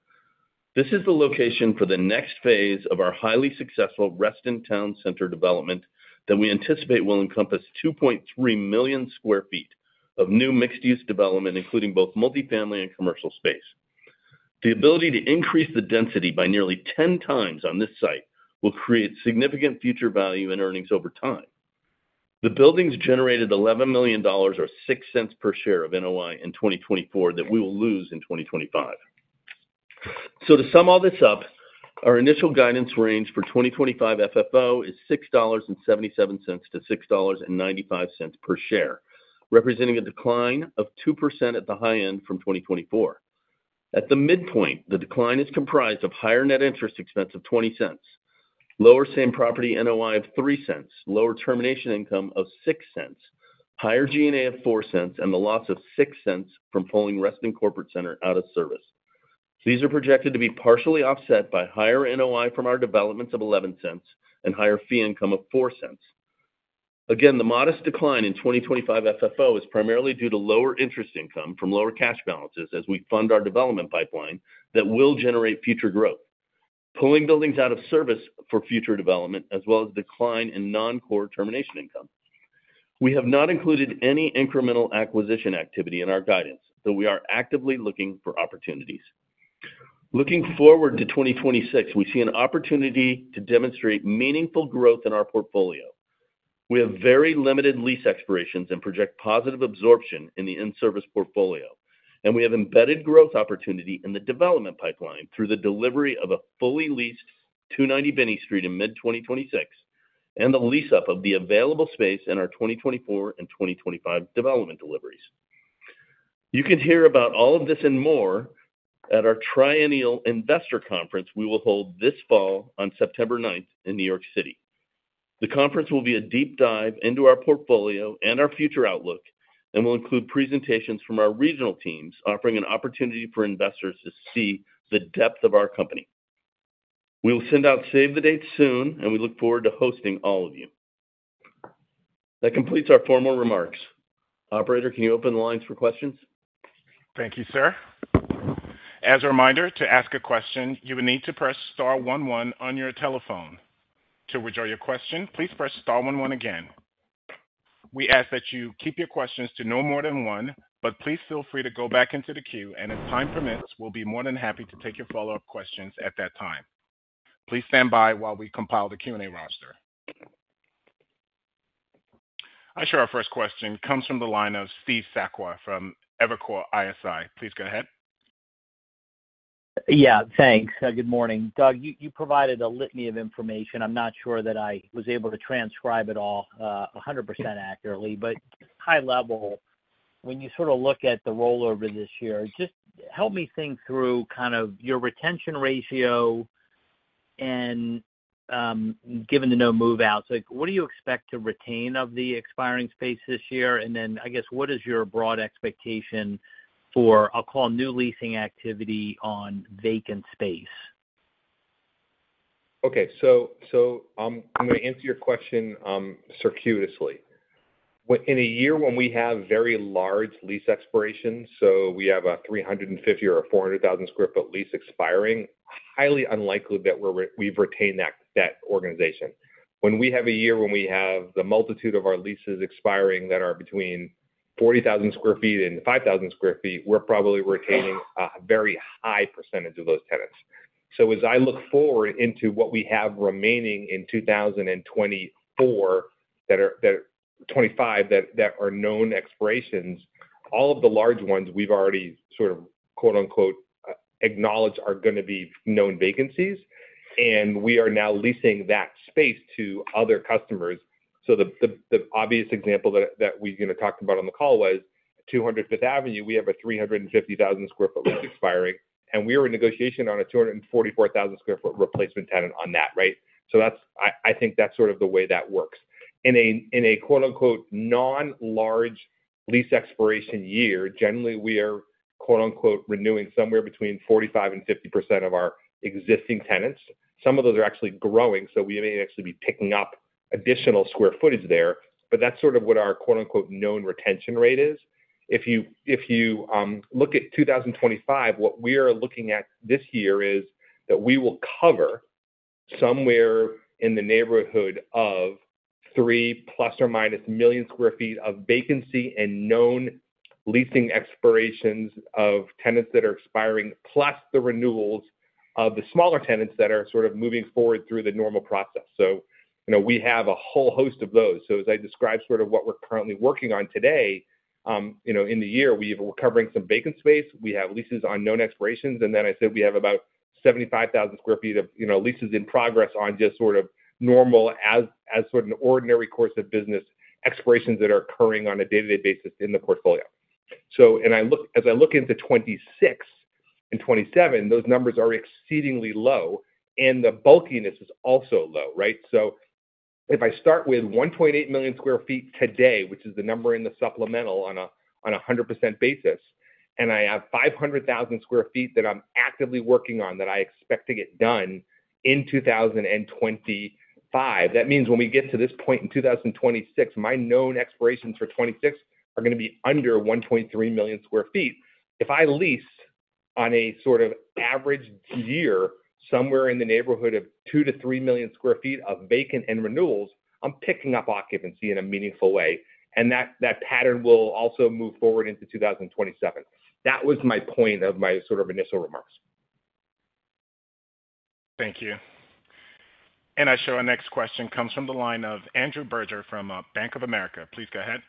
This is the location for the next phase of our highly successful Reston Town Center development that we anticipate will encompass 2.3 million sq ft of new mixed-use development, including both multifamily and commercial space. The ability to increase the density by nearly 10 times on this site will create significant future value and earnings over time. The buildings generated $11 million or $0.06 per share of NOI in 2024 that we will lose in 2025. So to sum all this up, our initial guidance range for 2025 FFO is $6.77-$6.95 per share, representing a decline of 2% at the high end from 2024. At the midpoint, the decline is comprised of higher net interest expense of $0.20, lower same property NOI of $0.03, lower termination income of $0.06, higher G&A of $0.04, and the loss of $0.06 from pulling Reston Corporate Center out of service. These are projected to be partially offset by higher NOI from our developments of $0.11 and higher fee income of $0.04. Again, the modest decline in 2025 FFO is primarily due to lower interest income from lower cash balances as we fund our development pipeline that will generate future growth, pulling buildings out of service for future development, as well as decline in non-core termination income. We have not included any incremental acquisition activity in our guidance, though we are actively looking for opportunities. Looking forward to 2026, we see an opportunity to demonstrate meaningful growth in our portfolio. We have very limited lease expirations and project positive absorption in the in-service portfolio, and we have embedded growth opportunity in the development pipeline through the delivery of a fully leased 290 Binney Street in mid-2026 and the lease up of the available space in our 2024 and 2025 development deliveries. You can hear about all of this and more at our Triennial Investor Conference we will hold this fall on September 9th in New York City. The conference will be a deep dive into our portfolio and our future outlook and will include presentations from our regional teams offering an opportunity for investors to see the depth of our company. We will send out save-the-date soon, and we look forward to hosting all of you. That completes our formal remarks. Operator, can you open the lines for questions? Thank you, sir. As a reminder, to ask a question, you will need to press star 11 on your telephone. To withdraw your question, please press star 11 again. We ask that you keep your questions to no more than one, but please feel free to go back into the queue, and if time permits, we'll be more than happy to take your follow-up questions at that time. Please stand by while we compile the Q&A roster. I'm sure our first question comes from the line of Steve Sakwa from Evercore ISI. Please go ahead. Yeah, thanks. Good morning. Doug, you provided a litany of information. I'm not sure that I was able to transcribe it all 100% accurately, but high level, when you sort of look at the rollover this year, just help me think through kind of your retention ratio and given the no move-outs. What do you expect to retain of the expiring space this year? And then, I guess, what is your broad expectation for, I'll call, new leasing activity on vacant space? Okay. So I'm going to answer your question circuitously. In a year when we have very large lease expirations, so we have a 350 or a 400,000 sq ft lease expiring, highly unlikely that we've retained that organization. When we have a year when we have the multitude of our leases expiring that are between 40,000 sq ft and 5,000 sq ft, we're probably retaining a very high percentage of those tenants. So as I look forward into what we have remaining in 2024 that are 25 that are known expirations, all of the large ones we've already sort of "acknowledged" are going to be known vacancies, and we are now leasing that space to other customers. So the obvious example that we talked about on the call was 200 Fifth Avenue. We have a 350,000 sq ft lease expiring, and we were in negotiation on a 244,000 sq ft replacement tenant on that, right? So I think that's sort of the way that works. In a "non-large lease expiration year," generally, we are "renewing" somewhere between 45%-50% of our existing tenants. Some of those are actually growing, so we may actually be picking up additional square footage there, but that's sort of what our "known retention rate" is. If you look at 2025, what we are looking at this year is that we will cover somewhere in the neighborhood of three plus or minus million sq ft of vacancy and known leasing expirations of tenants that are expiring, plus the renewals of the smaller tenants that are sort of moving forward through the normal process. So we have a whole host of those. So as I described sort of what we're currently working on today, in the year, we're covering some vacant space. We have leases on known expirations. And then I said we have about 75,000 sq ft of leases in progress on just sort of normal as sort of an ordinary course of business expirations that are occurring on a day-to-day basis in the portfolio. And as I look into 2026 and 2027, those numbers are exceedingly low, and the bulkiness is also low, right? So if I start with 1.8 million sq ft today, which is the number in the supplemental on a 100% basis, and I have 500,000 sq ft that I'm actively working on that I expect to get done in 2025, that means when we get to this point in 2026, my known expirations for 2026 are going to be under 1.3 million sq ft. If I lease on a sort of average year somewhere in the neighborhood of 2-3 million sq ft of vacant and renewals, I'm picking up occupancy in a meaningful way, and that pattern will also move forward into 2027. That was my point of my sort of initial remarks. Thank you. And our next question comes from the line of Andrew Berger from Bank of America. Please go ahead.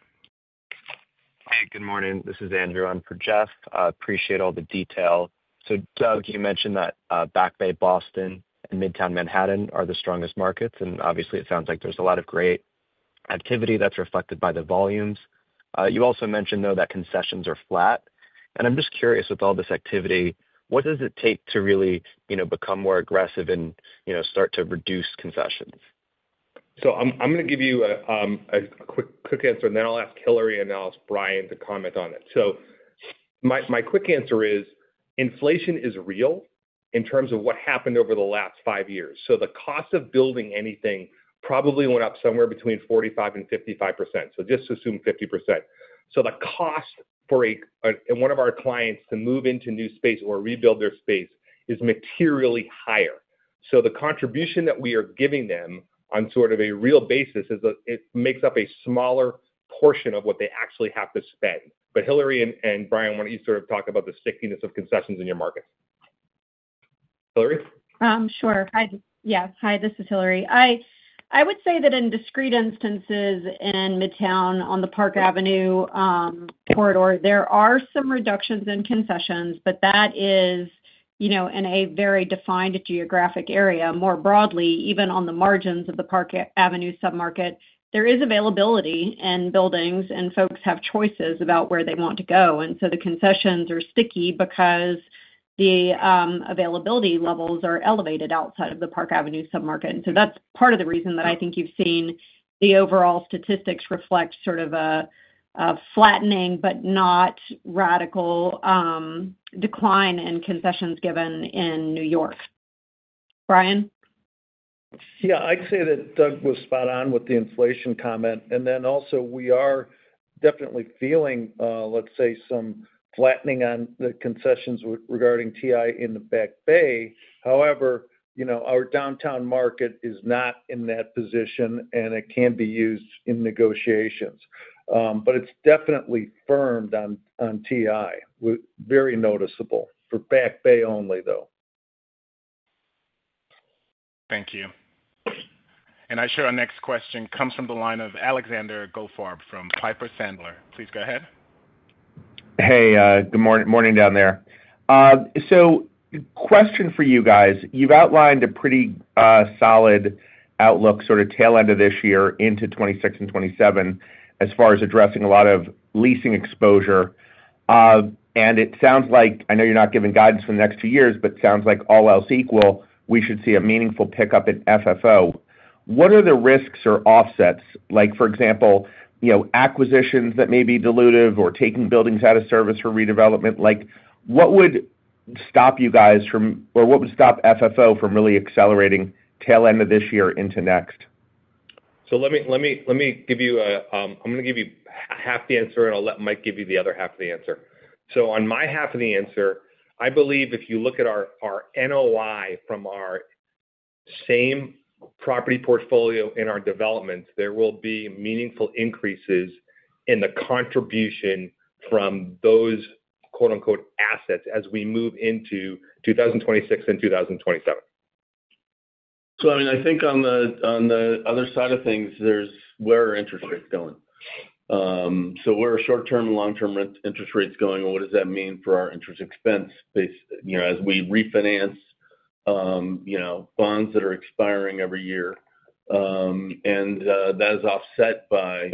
Hey, good morning. This is Andrew. I'm for Jeff. I appreciate all the detail. So, Doug, you mentioned that Back Bay, Boston, and Midtown Manhattan are the strongest markets, and obviously, it sounds like there's a lot of great activity that's reflected by the volumes. You also mentioned, though, that concessions are flat. And I'm just curious, with all this activity, what does it take to really become more aggressive and start to reduce concessions? So I'm going to give you a quick answer, and then I'll ask Hilary and I'll ask Brian to comment on it. So my quick answer is inflation is real in terms of what happened over the last five years. So the cost of building anything probably went up somewhere between 45% and 55%. So just assume 50%. So the cost for one of our clients to move into new space or rebuild their space is materially higher. So the contribution that we are giving them on sort of a real basis is it makes up a smaller portion of what they actually have to spend. But Hilary and Brian, why don't you sort of talk about the stickiness of concessions in your markets? Hilary? Sure. Yes. Hi, this is Hilary. I would say that in discrete instances in Midtown on the Park Avenue corridor, there are some reductions in concessions, but that is in a very defined geographic area. More broadly, even on the margins of the Park Avenue submarket, there is availability in buildings, and folks have choices about where they want to go. And so the concessions are sticky because the availability levels are elevated outside of the Park Avenue submarket. And so that's part of the reason that I think you've seen the overall statistics reflect sort of a flattening but not radical decline in concessions given in New York. Brian? Yeah, I'd say that Doug was spot on with the inflation comment. And then also, we are definitely feeling, let's say, some flattening on the concessions regarding TI in the Back Bay. However, our downtown market is not in that position, and it can be used in negotiations. But it's definitely firmed on TI, very noticeable. For Back Bay only, though. Thank you. And our next question comes from the line of Alexander Goldfarb from Piper Sandler. Please go ahead. Hey, good morning down there. So question for you guys. You've outlined a pretty solid outlook sort of tail end of this year into 2026 and 2027 as far as addressing a lot of leasing exposure. It sounds like I know you're not giving guidance for the next few years, but it sounds like all else equal, we should see a meaningful pickup in FFO. What are the risks or offsets, like for example, acquisitions that may be dilutive or taking buildings out of service for redevelopment? What would stop you guys from, or what would stop FFO from really accelerating tail end of this year into next? I'm going to give you half the answer, and I'll let Mike give you the other half of the answer. On my half of the answer, I believe if you look at our NOI from our same property portfolio in our developments, there will be meaningful increases in the contribution from those "assets" as we move into 2026 and 2027. So I mean, I think on the other side of things, there's where are interest rates going? So where are short-term and long-term interest rates going, and what does that mean for our interest expense as we refinance bonds that are expiring every year? And that is offset by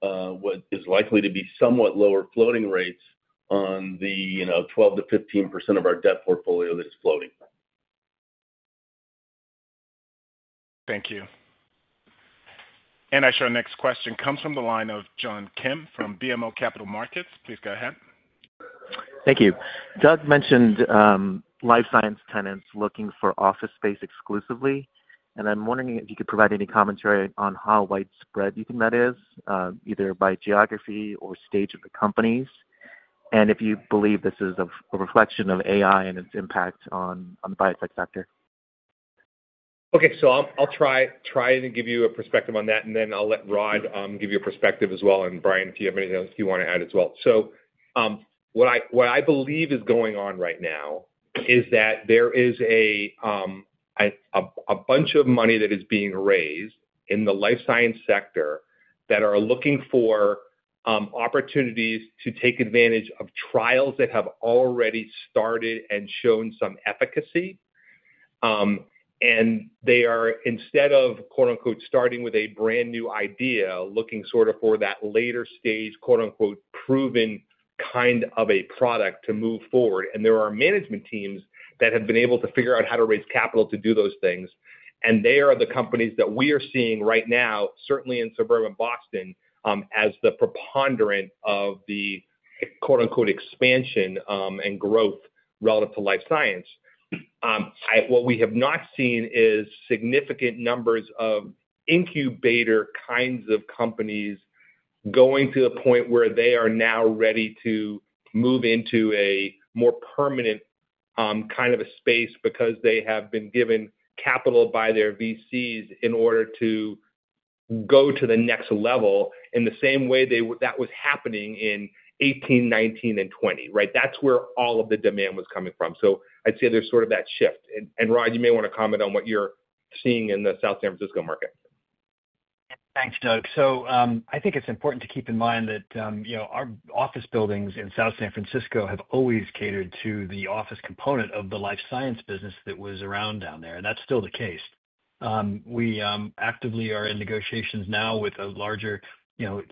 what is likely to be somewhat lower floating rates on the 12%-15% of our debt portfolio that is floating. Thank you. And our next question comes from the line of John Kim from BMO Capital Markets. Please go ahead. Thank you. Doug mentioned life science tenants looking for office space exclusively, and I'm wondering if you could provide any commentary on how widespread you think that is, either by geography or stage of the companies, and if you believe this is a reflection of AI and its impact on the biotech sector. Okay. I'll try to give you a perspective on that, and then I'll let Rod give you a perspective as well. And Brian, if you have anything else you want to add as well. What I believe is going on right now is that there is a bunch of money that is being raised in the life science sector that are looking for opportunities to take advantage of trials that have already started and shown some efficacy. And they are, instead of "starting with a brand new idea," looking sort of for that later stage "proven" kind of a product to move forward. And there are management teams that have been able to figure out how to raise capital to do those things. They are the companies that we are seeing right now, certainly in suburban Boston, as the preponderance of the expansion and growth relative to life science. What we have not seen is significant numbers of incubator kinds of companies going to the point where they are now ready to move into a more permanent kind of a space because they have been given capital by their VCs in order to go to the next level in the same way that was happening in 2018, 2019, and 2020, right? That's where all of the demand was coming from. So I'd say there's sort of that shift. And Rod, you may want to comment on what you're seeing in the South San Francisco market. Thanks, Doug. I think it's important to keep in mind that our office buildings in South San Francisco have always catered to the office component of the life science business that was around down there, and that's still the case. We actively are in negotiations now with a larger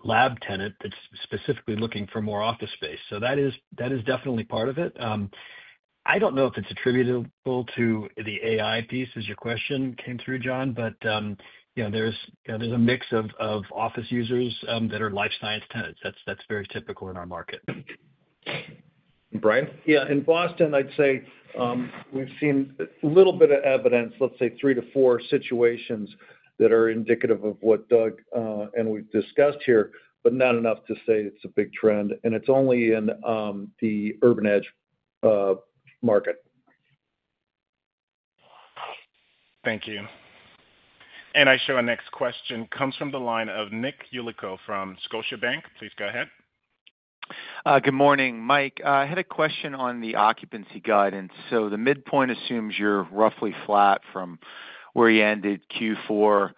lab tenant that's specifically looking for more office space. So that is definitely part of it. I don't know if it's attributable to the AI piece as your question came through, John, but there's a mix of office users that are life science tenants. That's very typical in our market. Brian? Yeah. In Boston, I'd say we've seen a little bit of evidence, let's say three-to-four situations that are indicative of what Doug and we've discussed here, but not enough to say it's a big trend. And it's only in the urban edge market. Thank you. Our next question comes from the line of Nick Yulico from Scotiabank. Please go ahead. Good morning, Mike. I had a question on the occupancy guidance. So the midpoint assumes you're roughly flat from where you ended Q4,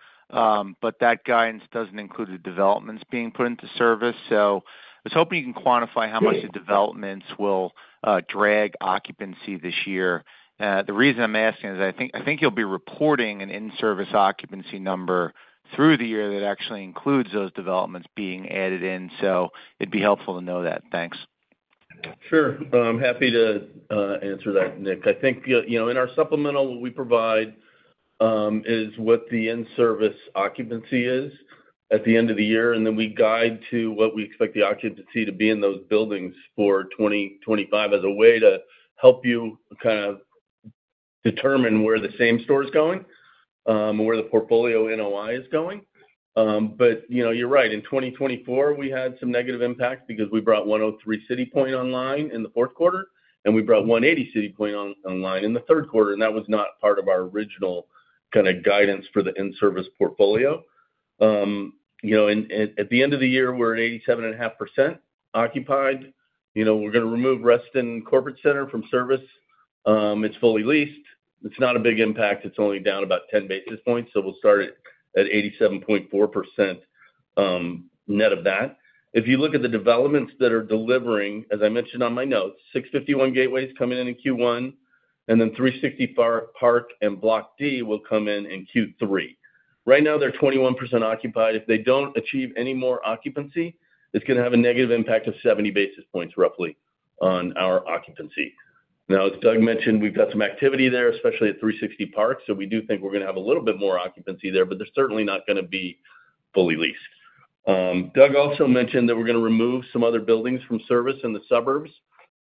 but that guidance doesn't include the developments being put into service. So I was hoping you can quantify how much the developments will drag occupancy this year. The reason I'm asking is I think you'll be reporting an in-service occupancy number through the year that actually includes those developments being added in. So it'd be helpful to know that. Thanks. Sure. I'm happy to answer that, Nick. I think in our supplemental, what we provide is what the in-service occupancy is at the end of the year, and then we guide to what we expect the occupancy to be in those buildings for 2025 as a way to help you kind of determine where the same store is going and where the portfolio NOI is going. But you're right. In 2024, we had some negative impact because we brought 103 CityPoint online in the fourth quarter, and we brought 180 CityPoint online in the third quarter, and that was not part of our original kind of guidance for the in-service portfolio. At the end of the year, we're at 87.5% occupied. We're going to remove Reston Corporate Center from service. It's fully leased. It's not a big impact. It's only down about 10 basis points. So we'll start at 87.4% net of that. If you look at the developments that are delivering, as I mentioned on my notes, 651 Gateway is coming in in Q1, and then 360 Park and Block D will come in in Q3. Right now, they're 21% occupied. If they don't achieve any more occupancy, it's going to have a negative impact of 70 basis points roughly on our occupancy. Now, as Doug mentioned, we've got some activity there, especially at 360 Park. So we do think we're going to have a little bit more occupancy there, but they're certainly not going to be fully leased. Doug also mentioned that we're going to remove some other buildings from service in the suburbs.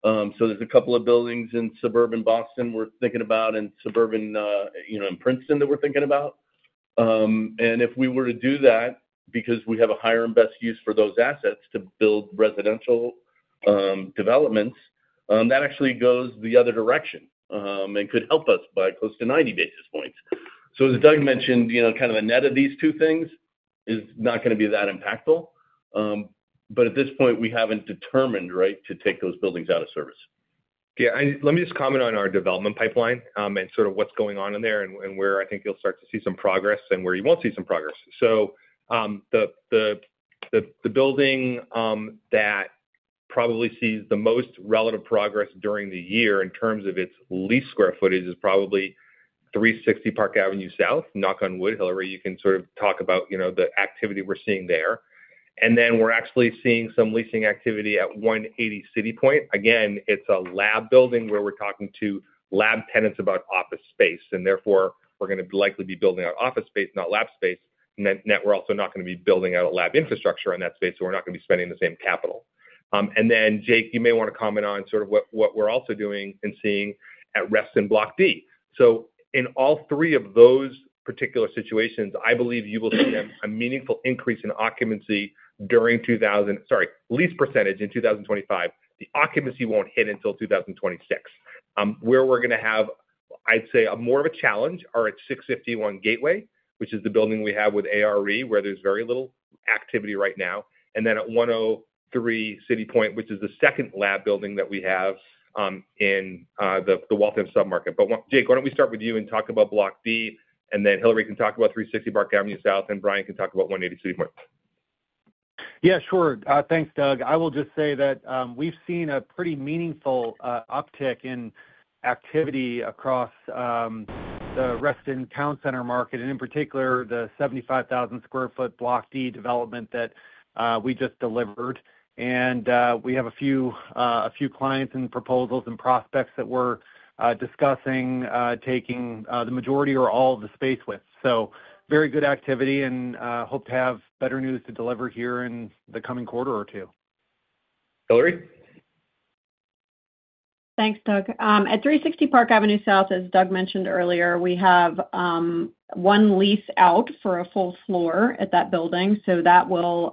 So there's a couple of buildings in suburban Boston we're thinking about and suburban in Princeton that we're thinking about. If we were to do that because we have a higher and best use for those assets to build residential developments, that actually goes the other direction and could help us by close to 90 basis points. As Doug mentioned, kind of a net of these two things is not going to be that impactful. At this point, we haven't determined, right, to take those buildings out of service. Yeah. Let me just comment on our development pipeline and sort of what's going on in there and where I think you'll start to see some progress and where you won't see some progress. The building that probably sees the most relative progress during the year in terms of its leased square footage is probably 360 Park Avenue South. Knock on wood, Hilary, you can sort of talk about the activity we're seeing there. Then we're actually seeing some leasing activity at 180 CityPoint. Again, it's a lab building where we're talking to lab tenants about office space, and therefore, we're going to likely be building out office space, not lab space. That we're also not going to be building out a lab infrastructure on that space, so we're not going to be spending the same capital. Then, Jake, you may want to comment on sort of what we're also doing and seeing at Reston Block D. In all three of those particular situations, I believe you will see a meaningful increase in occupancy during 2024, sorry, leased percentage in 2025. The occupancy won't hit until 2026. Where we're going to have, I'd say, more of a challenge are at 651 Gateway, which is the building we have with ARE, where there's very little activity right now. And then at 103 CityPoint, which is the second lab building that we have in the Waltham submarket. But Jake, why don't we start with you and talk about Block D, and then Hilary can talk about 360 Park Avenue South, and Brian can talk about 180 CityPoint. Yeah, sure. Thanks, Doug. I will just say that we've seen a pretty meaningful uptick in activity across the Reston Town Center market, and in particular, the 75,000 sq ft Block D development that we just delivered. And we have a few clients and proposals and prospects that we're discussing taking the majority or all of the space with. So very good activity and hope to have better news to deliver here in the coming quarter or two. Hilary? Thanks, Doug. At 360 Park Avenue South, as Doug mentioned earlier, we have one lease out for a full floor at that building. That will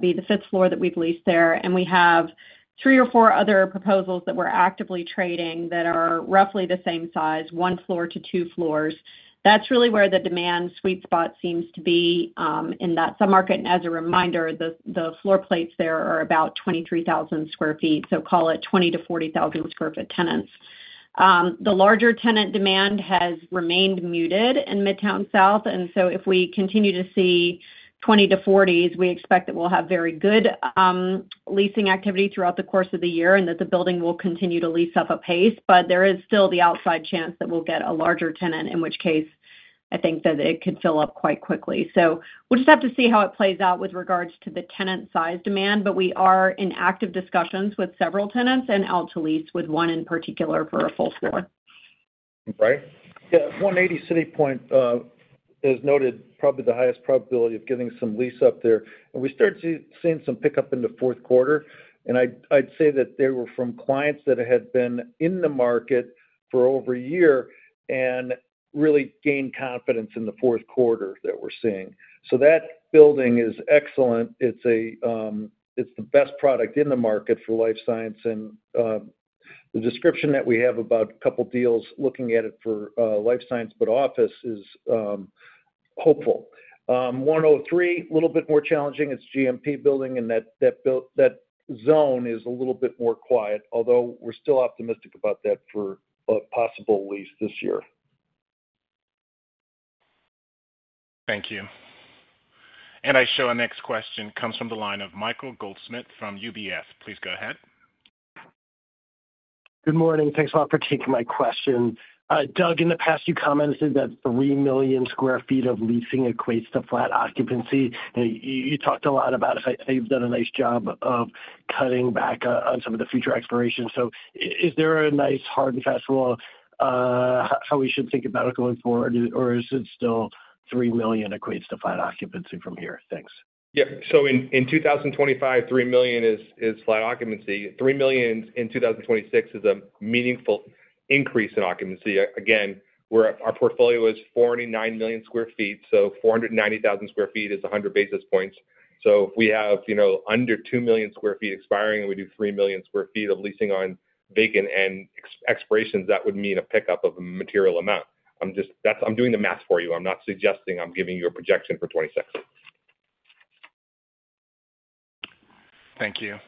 be the fifth floor that we've leased there. And we have three or four other proposals that we're actively trading that are roughly the same size, one floor to two floors. That's really where the demand sweet spot seems to be in that submarket. And as a reminder, the floor plates there are about 23,000 sq ft, so call it 20,000-40,000 sq ft tenants. The larger tenant demand has remained muted in Midtown South. And so if we continue to see 20 to 40s, we expect that we'll have very good leasing activity throughout the course of the year and that the building will continue to lease up a pace. But there is still the outside chance that we'll get a larger tenant, in which case I think that it could fill up quite quickly. So we'll just have to see how it plays out with regards to the tenant size demand, but we are in active discussions with several tenants and out to lease with one in particular for a full floor. Brian? Yeah. 180 CityPoint has, I'd note, probably the highest probability of getting some lease up there. And we started seeing some pickup in the fourth quarter. And I'd say that they were from clients that had been in the market for over a year and really gained confidence in the fourth quarter that we're seeing. So that building is excellent. It's the best product in the market for life science. And the description that we have about a couple of deals looking at it for life science, but office is hopeful. 103 CityPoint, a little bit more challenging. It's a GMP building, and that zone is a little bit more quiet, although we're still optimistic about that for a possible lease this year. Thank you. And our next question comes from the line of Michael Goldsmith from UBS. Please go ahead. Good morning. Thanks a lot for taking my question. Doug, in the past few comments, that 3 million sq ft of leasing equates to flat occupancy. You talked a lot about it. You've done a nice job of cutting back on some of the future exposure. So is there a nice hard and fast rule of how we should think about it going forward, or is it still 3 million equates to flat occupancy from here? Thanks. Yeah. So in 2025, 3 million is flat occupancy. 3 million in 2026 is a meaningful increase in occupancy. Again, our portfolio is 49 million sq ft. So 490,000 sq ft is 100 basis points. So if we have under 2 million sq ft expiring and we do 3 million sq ft of leasing on vacant and expirations, that would mean a pickup of a material amount. I'm doing the math for you. I'm not suggesting I'm giving you a projection for 2026. Thank you.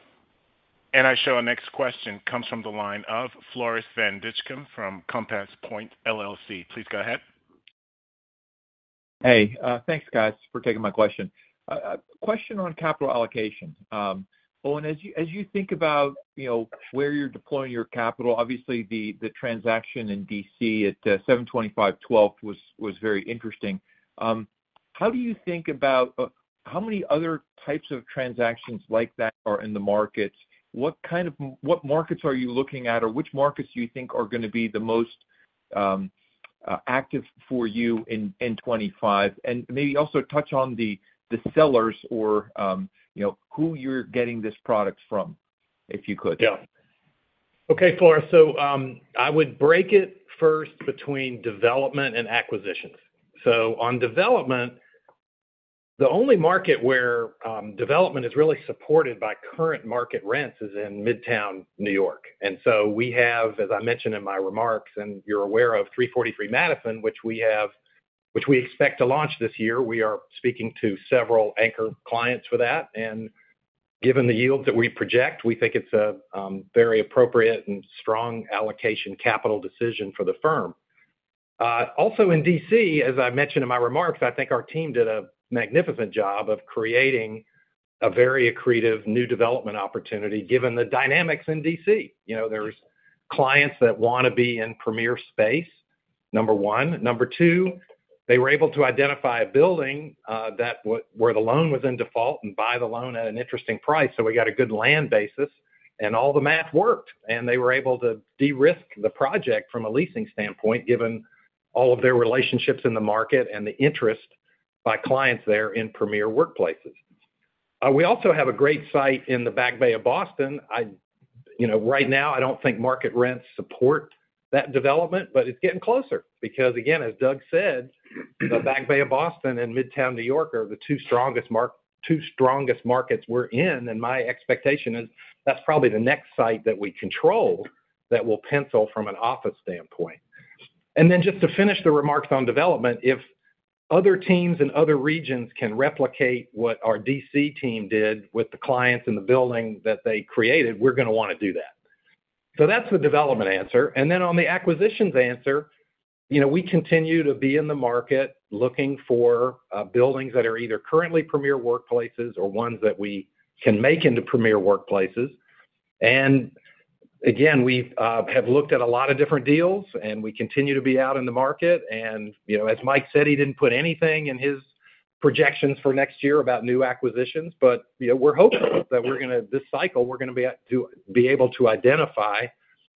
Our next question comes from the line of Floris Van Dijkum from Compass Point LLC. Please go ahead. Hey. Thanks, guys, for taking my question. Question on capital allocation. Owen, as you think about where you're deploying your capital, obviously the transaction in DC at 725 12th Street was very interesting. How do you think about how many other types of transactions like that are in the market? What markets are you looking at, or which markets do you think are going to be the most active for you in 2025? And maybe also touch on the sellers or who you're getting this product from, if you could. Yeah. Okay, Floris. So I would break it first between development and acquisitions. So on development, the only market where development is really supported by current market rents is in Midtown New York. And so we have, as I mentioned in my remarks, and you're aware of 343 Madison, which we expect to launch this year. We are speaking to several anchor clients for that. And given the yields that we project, we think it's a very appropriate and strong allocation capital decision for the firm. Also in DC, as I mentioned in my remarks, I think our team did a magnificent job of creating a very accretive new development opportunity given the dynamics in DC. There's clients that want to be in premier space, number one. Number two, they were able to identify a building where the loan was in default and buy the loan at an interesting price. So we got a good land basis, and all the math worked. And they were able to de-risk the project from a leasing standpoint given all of their relationships in the market and the interest by clients there in Premier workplaces. We also have a great site in the Back Bay of Boston. Right now, I don't think market rents support that development, but it's getting closer because, again, as Doug said, the Back Bay of Boston and Midtown New York are the two strongest markets we're in. And my expectation is that's probably the next site that we control that will pencil from an office standpoint. And then just to finish the remarks on development, if other teams and other regions can replicate what our DC team did with the clients and the building that they created, we're going to want to do that. So that's the development answer. And then on the acquisitions answer, we continue to be in the market looking for buildings that are either currently premier workplaces or ones that we can make into premier workplaces. And again, we have looked at a lot of different deals, and we continue to be out in the market. And as Mike said, he didn't put anything in his projections for next year about new acquisitions, but we're hopeful that this cycle, we're going to be able to identify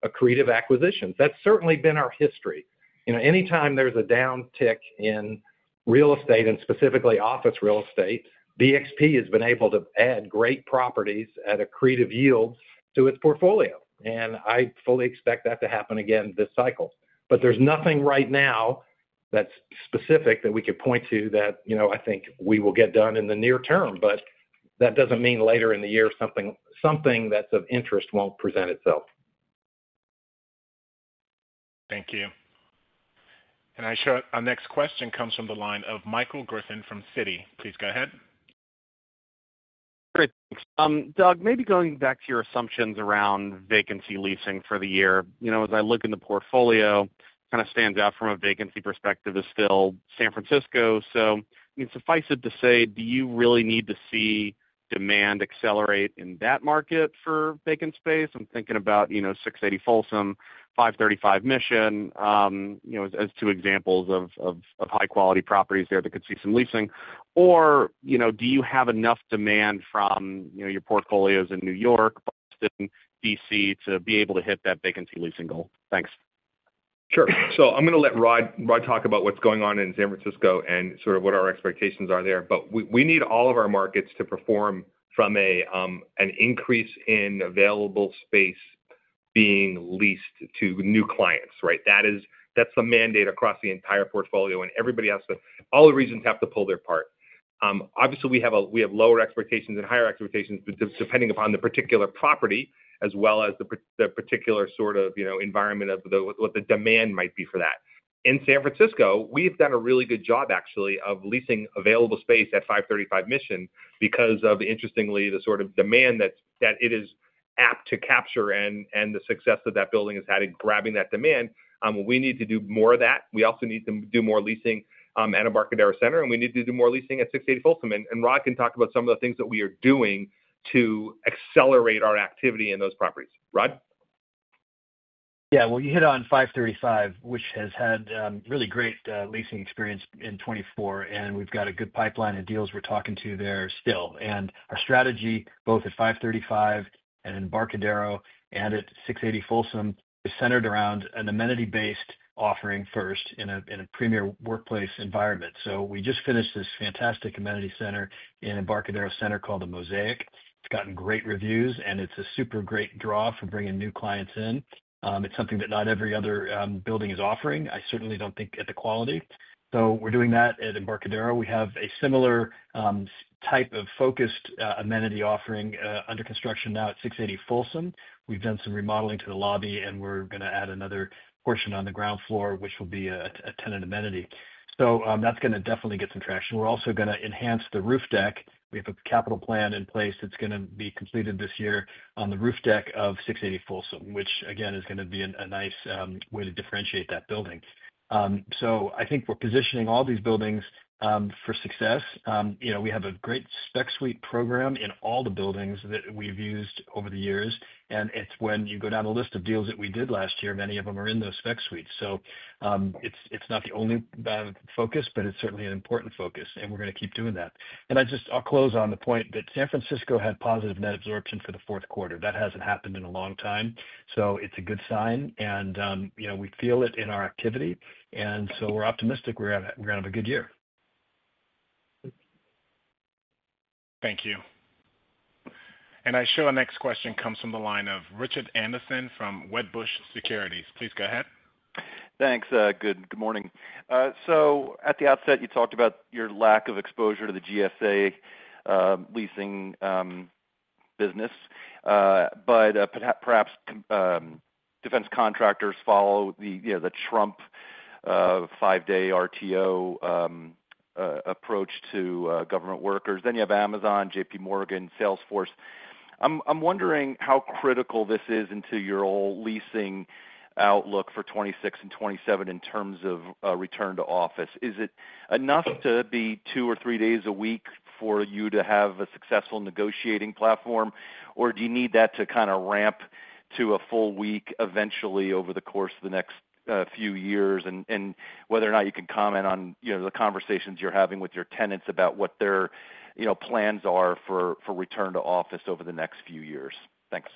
accretive acquisitions. That's certainly been our history. Anytime there's a downtick in real estate and specifically office real estate, BXP has been able to add great properties at accretive yields to its portfolio. I fully expect that to happen again this cycle. There's nothing right now that's specific that we could point to that I think we will get done in the near term, but that doesn't mean later in the year something that's of interest won't present itself. Thank you. Our next question comes from the line of Michael Griffin from Citi. Please go ahead. Great. Thanks. Doug, maybe going back to your assumptions around vacancy leasing for the year, as I look in the portfolio, kind of stands out from a vacancy perspective is still San Francisco. So I mean, suffice it to say, do you really need to see demand accelerate in that market for vacant space? I'm thinking about 680 Folsom, 535 Mission as two examples of high-quality properties there that could see some leasing. Or do you have enough demand from your portfolios in New York, Boston, DC to be able to hit that vacancy leasing goal? Thanks. Sure. So I'm going to let Rod talk about what's going on in San Francisco and sort of what our expectations are there. But we need all of our markets to perform from an increase in available space being leased to new clients, right? That's the mandate across the entire portfolio, and everybody has to—all the regions have to pull their part. Obviously, we have lower expectations and higher expectations depending upon the particular property as well as the particular sort of environment of what the demand might be for that. In San Francisco, we've done a really good job, actually, of leasing available space at 535 Mission because of, interestingly, the sort of demand that it is apt to capture and the success that that building has had in grabbing that demand. We need to do more of that. We also need to do more leasing at the Embarcadero Center, and we need to do more leasing at 680 Folsom. And Rod can talk about some of the things that we are doing to accelerate our activity in those properties. Rod? Yeah. Well, you hit on 535, which has had really great leasing experience in 2024, and we've got a good pipeline of deals we're talking to there still. And our strategy, both at 535 and in Embarcadero and at 680 Folsom, is centered around an amenity-based offering first in a premier workplace environment. So we just finished this fantastic amenity center in the Embarcadero Center called The Mosaic. It's gotten great reviews, and it's a super great draw for bringing new clients in. It's something that not every other building is offering. I certainly don't think at the quality. So we're doing that at the Embarcadero Center. We have a similar type of focused amenity offering under construction now at 680 Folsom. We've done some remodeling to the lobby, and we're going to add another portion on the ground floor, which will be a tenant amenity. So that's going to definitely get some traction. We're also going to enhance the roof deck. We have a capital plan in place that's going to be completed this year on the roof deck of 680 Folsom, which, again, is going to be a nice way to differentiate that building. So I think we're positioning all these buildings for success. We have a great spec suite program in all the buildings that we've used over the years. And it's when you go down the list of deals that we did last year, many of them are in those spec suites. So it's not the only focus, but it's certainly an important focus, and we're going to keep doing that. And I'll close on the point that San Francisco had positive net absorption for the fourth quarter. That hasn't happened in a long time. So it's a good sign, and we feel it in our activity. And so we're optimistic we're going to have a good year. Thank you. Our next question comes from the line of Richard Anderson from Wedbush Securities. Please go ahead. Thanks. Good morning. At the outset, you talked about your lack of exposure to the GSA leasing business. But perhaps defense contractors follow the Trump five-day RTO approach to government workers. Then you have Amazon, JPMorgan, Salesforce. I'm wondering how critical this is into your whole leasing outlook for 2026 and 2027 in terms of return to office. Is it enough to be two or three days a week for you to have a successful negotiating platform, or do you need that to kind of ramp to a full week eventually over the course of the next few years? And whether or not you can comment on the conversations you're having with your tenants about what their plans are for return to office over the next few years. Thanks.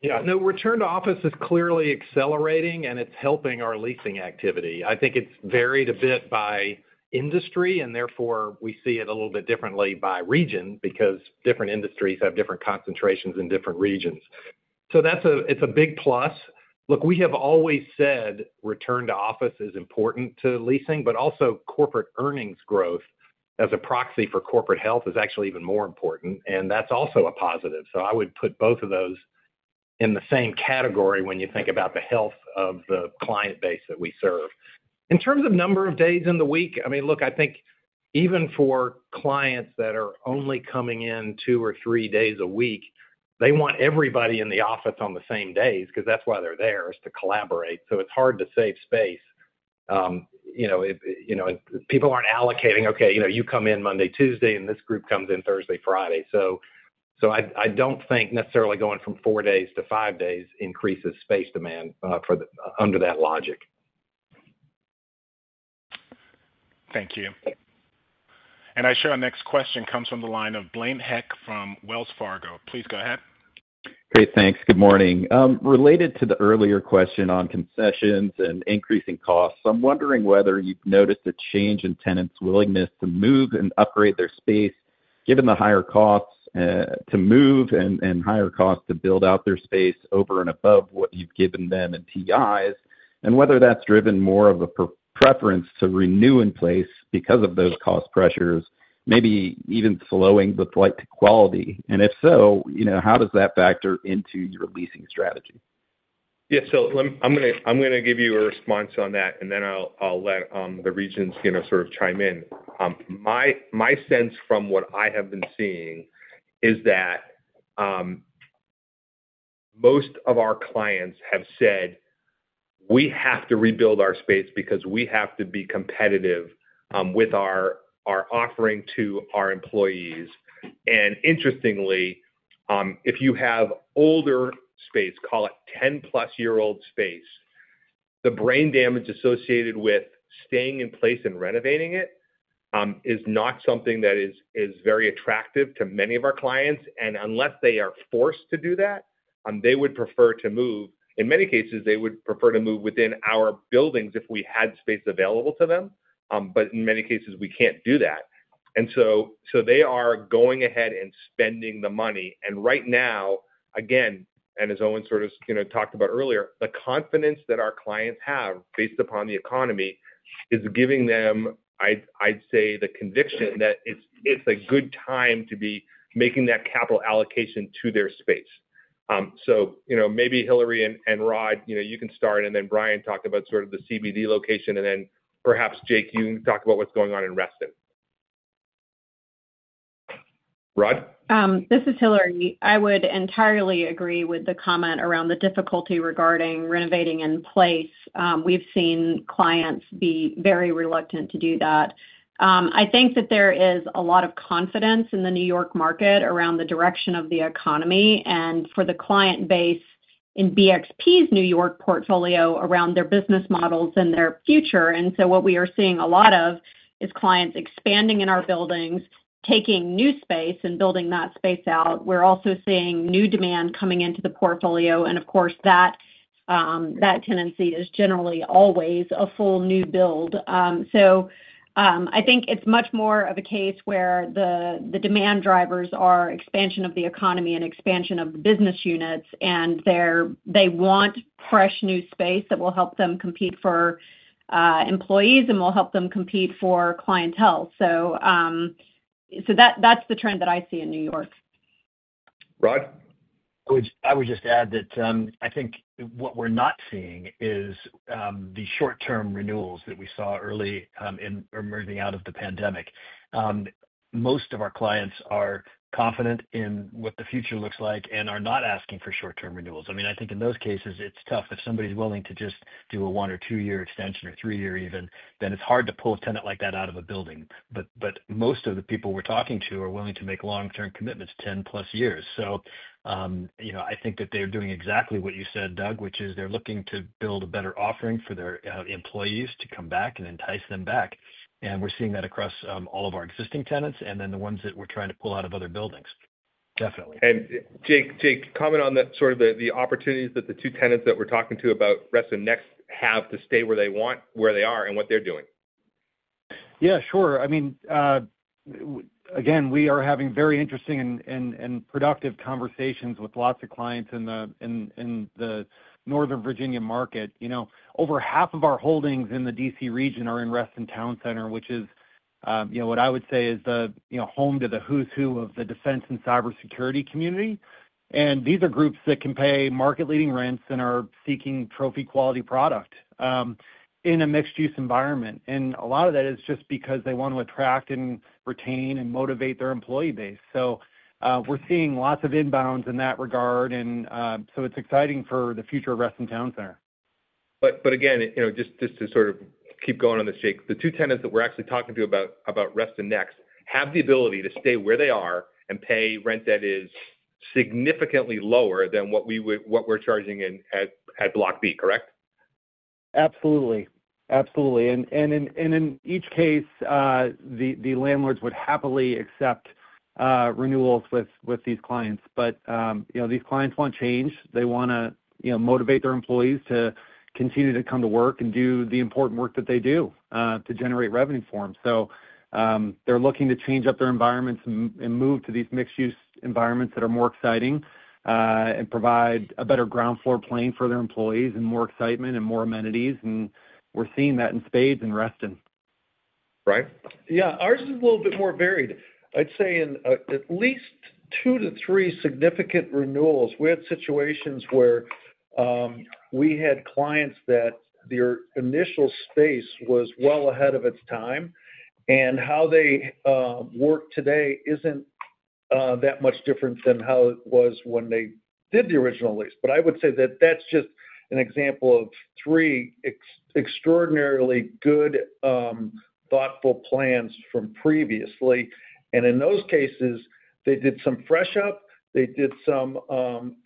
Yeah. No, return to office is clearly accelerating, and it's helping our leasing activity. I think it's varied a bit by industry, and therefore we see it a little bit differently by region because different industries have different concentrations in different regions. So it's a big plus. Look, we have always said return to office is important to leasing, but also corporate earnings growth as a proxy for corporate health is actually even more important. And that's also a positive. So I would put both of those in the same category when you think about the health of the client base that we serve. In terms of number of days in the week, I mean, look, I think even for clients that are only coming in two or three days a week, they want everybody in the office on the same days because that's why they're there, is to collaborate. So it's hard to save space. People aren't allocating, "Okay, you come in Monday, Tuesday, and this group comes in Thursday, Friday." So I don't think necessarily going from four days to five days increases space demand under that logic. Thank you, and our next question comes from the line of Blaine Heck from Wells Fargo. Please go ahead. Great. Thanks. Good morning. Related to the earlier question on concessions and increasing costs, I'm wondering whether you've noticed a change in tenants' willingness to move and upgrade their space given the higher costs to move and higher costs to build out their space over and above what you've given them in TIs, and whether that's driven more of a preference to renew in place because of those cost pressures, maybe even slowing the flight to quality. And if so, how does that factor into your leasing strategy? Yeah. I'm going to give you a response on that, and then I'll let the regions sort of chime in. My sense from what I have been seeing is that most of our clients have said, "We have to rebuild our space because we have to be competitive with our offering to our employees." And interestingly, if you have older space, call it 10-plus-year-old space, the brain damage associated with staying in place and renovating it is not something that is very attractive to many of our clients. And unless they are forced to do that, they would prefer to move. In many cases, they would prefer to move within our buildings if we had space available to them. But in many cases, we can't do that. And so they are going ahead and spending the money. Right now, again, and as Owen sort of talked about earlier, the confidence that our clients have based upon the economy is giving them, I'd say, the conviction that it's a good time to be making that capital allocation to their space. Maybe Hilary and Rod, you can start, and then Brian talked about sort of the CBD location, and then perhaps Jake, you can talk about what's going on in Reston. Rod? This is Hilary. I would entirely agree with the comment around the difficulty regarding renovating in place. We've seen clients be very reluctant to do that. I think that there is a lot of confidence in the New York market around the direction of the economy and for the client base in BXP's New York portfolio around their business models and their future. And so what we are seeing a lot of is clients expanding in our buildings, taking new space, and building that space out. We're also seeing new demand coming into the portfolio. And of course, that tendency is generally always a full new build. So I think it's much more of a case where the demand drivers are expansion of the economy and expansion of business units. And they want fresh new space that will help them compete for employees and will help them compete for clientele. So that's the trend that I see in New York. Rod? I would just add that I think what we're not seeing is the short-term renewals that we saw early in emerging out of the pandemic. Most of our clients are confident in what the future looks like and are not asking for short-term renewals. I mean, I think in those cases, it's tough. If somebody's willing to just do a one- or two-year extension or three-year even, then it's hard to pull a tenant like that out of a building. But most of the people we're talking to are willing to make long-term commitments, 10-plus years. So I think that they're doing exactly what you said, Doug, which is they're looking to build a better offering for their employees to come back and entice them back. And we're seeing that across all of our existing tenants and then the ones that we're trying to pull out of other buildings. Definitely. And Jake, comment on sort of the opportunities that the two tenants that we're talking to about Reston Next have to stay where they want, where they are, and what they're doing. Yeah, sure. I mean, again, we are having very interesting and productive conversations with lots of clients in the Northern Virginia market. Over half of our holdings in the DC region are in Reston Town Center, which is what I would say is the home to the who's who of the defense and cybersecurity community. And these are groups that can pay market-leading rents and are seeking trophy-quality product in a mixed-use environment. And a lot of that is just because they want to attract and retain and motivate their employee base. So we're seeing lots of inbounds in that regard. And so it's exciting for the future of Reston Town Center. But again, just to sort of keep going on this Jake, the two tenants that we're actually talking to about Reston next have the ability to stay where they are and pay rent that is significantly lower than what we're charging at Block D, correct? Absolutely. Absolutely. And in each case, the landlords would happily accept renewals with these clients. But these clients want change. They want to motivate their employees to continue to come to work and do the important work that they do to generate revenue for them. So they're looking to change up their environments and move to these mixed-use environments that are more exciting and provide a better ground floor plan for their employees and more excitement and more amenities. And we're seeing that in spades in Reston. Right? Yeah. Ours is a little bit more varied. I'd say in at least two to three significant renewals, we had situations where we had clients that their initial space was well ahead of its time, and how they work today isn't that much different than how it was when they did the original lease, but I would say that that's just an example of three extraordinarily good, thoughtful plans from previously, and in those cases, they did some freshen up. They did some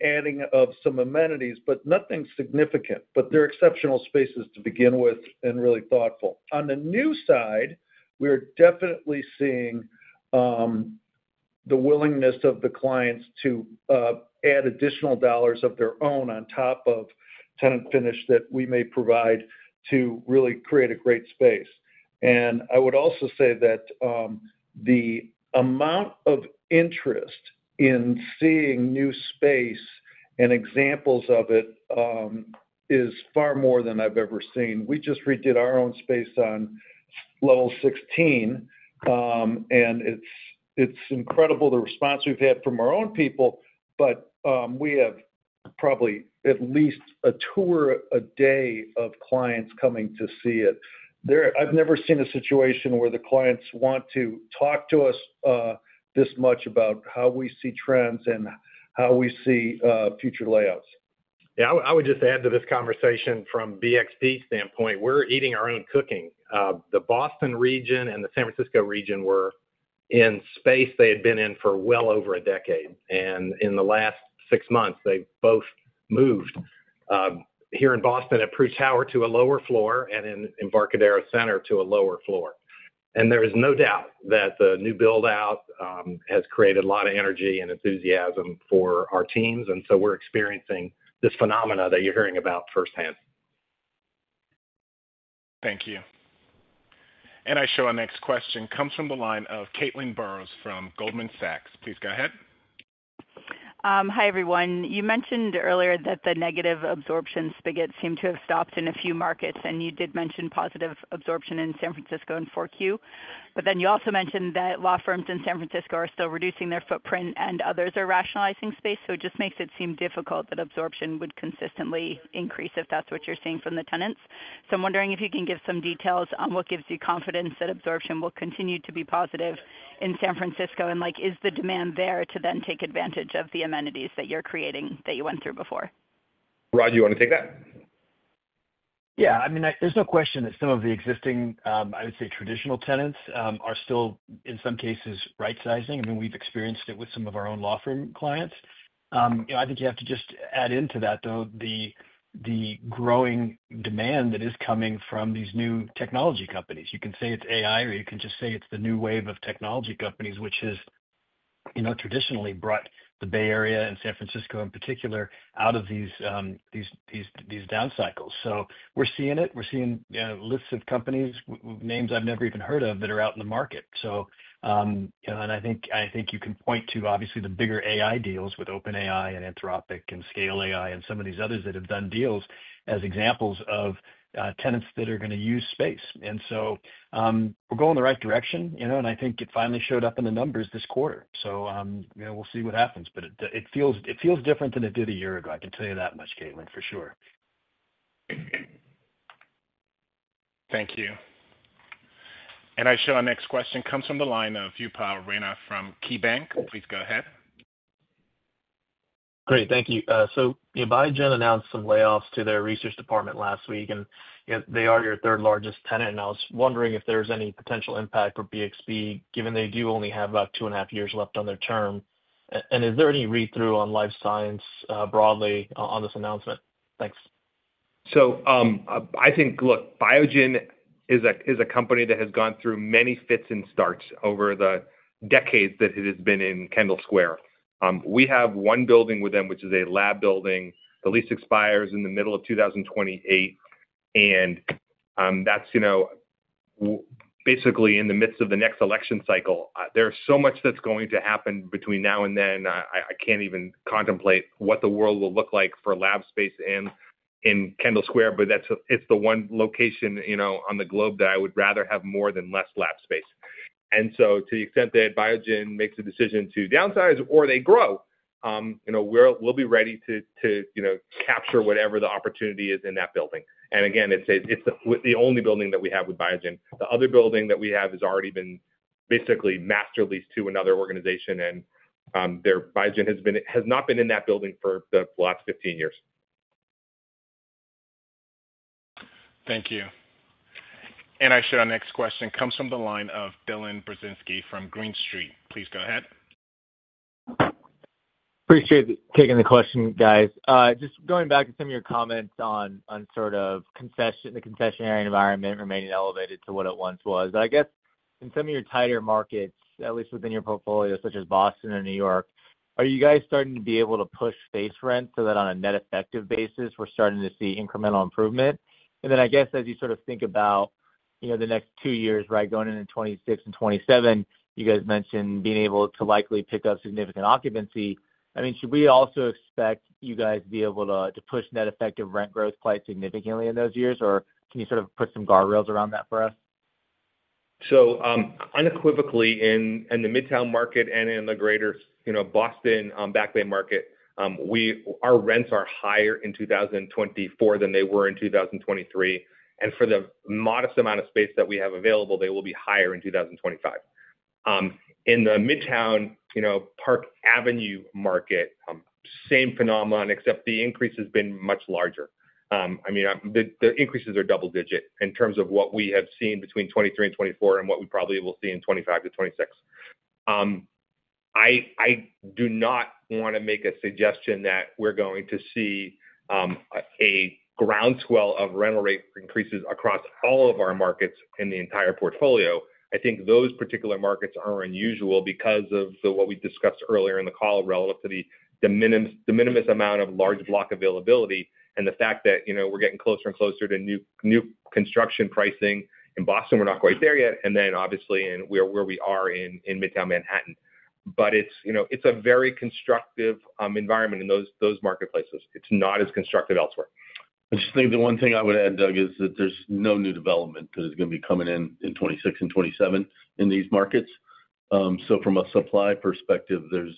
adding of some amenities, but nothing significant, but they're exceptional spaces to begin with and really thoughtful. On the new side, we are definitely seeing the willingness of the clients to add additional dollars of their own on top of tenant finish that we may provide to really create a great space. I would also say that the amount of interest in seeing new space and examples of it is far more than I've ever seen. We just redid our own space on Level 16, and it's incredible the response we've had from our own people, but we have probably at least a tour a day of clients coming to see it. I've never seen a situation where the clients want to talk to us this much about how we see trends and how we see future layouts. Yeah. I would just add to this conversation from BXP standpoint; we're eating our own cooking. The Boston region and the San Francisco region were in space they had been in for well over a decade. In the last six months, they've both moved here in Boston at Prudential Tower to a lower floor and in Embarcadero Center to a lower floor. There is no doubt that the new build-out has created a lot of energy and enthusiasm for our teams. We're experiencing this phenomena that you're hearing about firsthand. Thank you. Our next question comes from the line of Caitlin Burrows from Goldman Sachs. Please go ahead. Hi, everyone. You mentioned earlier that the negative absorption spigot seemed to have stopped in a few markets, and you did mention positive absorption in San Francisco and 4Q. But then you also mentioned that law firms in San Francisco are still reducing their footprint, and others are rationalizing space. It just makes it seem difficult that absorption would consistently increase if that's what you're seeing from the tenants. I'm wondering if you can give some details on what gives you confidence that absorption will continue to be positive in San Francisco, and is the demand there to then take advantage of the amenities that you're creating that you went through before? Rod, you want to take that? Yeah. I mean, there's no question that some of the existing, I would say, traditional tenants are still, in some cases, rightsizing. I mean, we've experienced it with some of our own law firm clients. I think you have to just add into that, though, the growing demand that is coming from these new technology companies. You can say it's AI, or you can just say it's the new wave of technology companies, which has traditionally brought the Bay Area and San Francisco in particular out of these down cycles. So we're seeing it. We're seeing lists of companies, names I've never even heard of, that are out in the market. And I think you can point to, obviously, the bigger AI deals with OpenAI and Anthropic and Scale AI and some of these others that have done deals as examples of tenants that are going to use space. And so we're going the right direction, and I think it finally showed up in the numbers this quarter. So we'll see what happens. But it feels different than it did a year ago. I can tell you that much, Caitlin, for sure. Thank you. And now our next question comes from the line of Upal Rana from KeyBank. Please go ahead. Great. Thank you. So Biogen announced some layoffs to their research department last week, and they are your third largest tenant. I was wondering if there's any potential impact for BXP, given they do only have about two and a half years left on their term. And is there any read-through on life science broadly on this announcement? Thanks. So I think, look, Biogen is a company that has gone through many fits and starts over the decades that it has been in Kendall Square. We have one building with them, which is a lab building. The lease expires in the middle of 2028, and that's basically in the midst of the next election cycle. There's so much that's going to happen between now and then. I can't even contemplate what the world will look like for lab space in Kendall Square, but it's the one location on the globe that I would rather have more than less lab space. And so to the extent that Biogen makes a decision to downsize or they grow, we'll be ready to capture whatever the opportunity is in that building. And again, it's the only building that we have with Biogen. The other building that we have has already been basically master leased to another organization, and Biogen has not been in that building for the last 15 years. Thank you. And our next question comes from the line of Dylan Burzinski from Green Street. Please go ahead. Appreciate taking the question, guys. Just going back to some of your comments on sort of the concessionary environment remaining elevated to what it once was. I guess in some of your tighter markets, at least within your portfolio, such as Boston and New York, are you guys starting to be able to push base rents so that on a net effective basis, we're starting to see incremental improvement? And then I guess as you sort of think about the next two years, right, going into 2026 and 2027, you guys mentioned being able to likely pick up significant occupancy. I mean, should we also expect you guys to be able to push net effective rent growth quite significantly in those years, or can you sort of put some guardrails around that for us? Unequivocally, in the Midtown market and in the greater Boston Back Bay market, our rents are higher in 2024 than they were in 2023. And for the modest amount of space that we have available, they will be higher in 2025. In the Midtown Park Avenue market, same phenomenon, except the increase has been much larger. I mean, the increases are double-digit in terms of what we have seen between 2023 and 2024 and what we probably will see in 2025 to 2026. I do not want to make a suggestion that we're going to see a groundswell of rental rate increases across all of our markets in the entire portfolio. I think those particular markets are unusual because of what we discussed earlier in the call relative to the minimum amount of large block availability and the fact that we're getting closer and closer to new construction pricing in Boston. We're not quite there yet. And then obviously, where we are in Midtown Manhattan. But it's a very constructive environment in those marketplaces. It's not as constructive elsewhere. I just think the one thing I would add, Doug, is that there's no new development that is going to be coming in 2026 and 2027 in these markets. So from a supply perspective, there's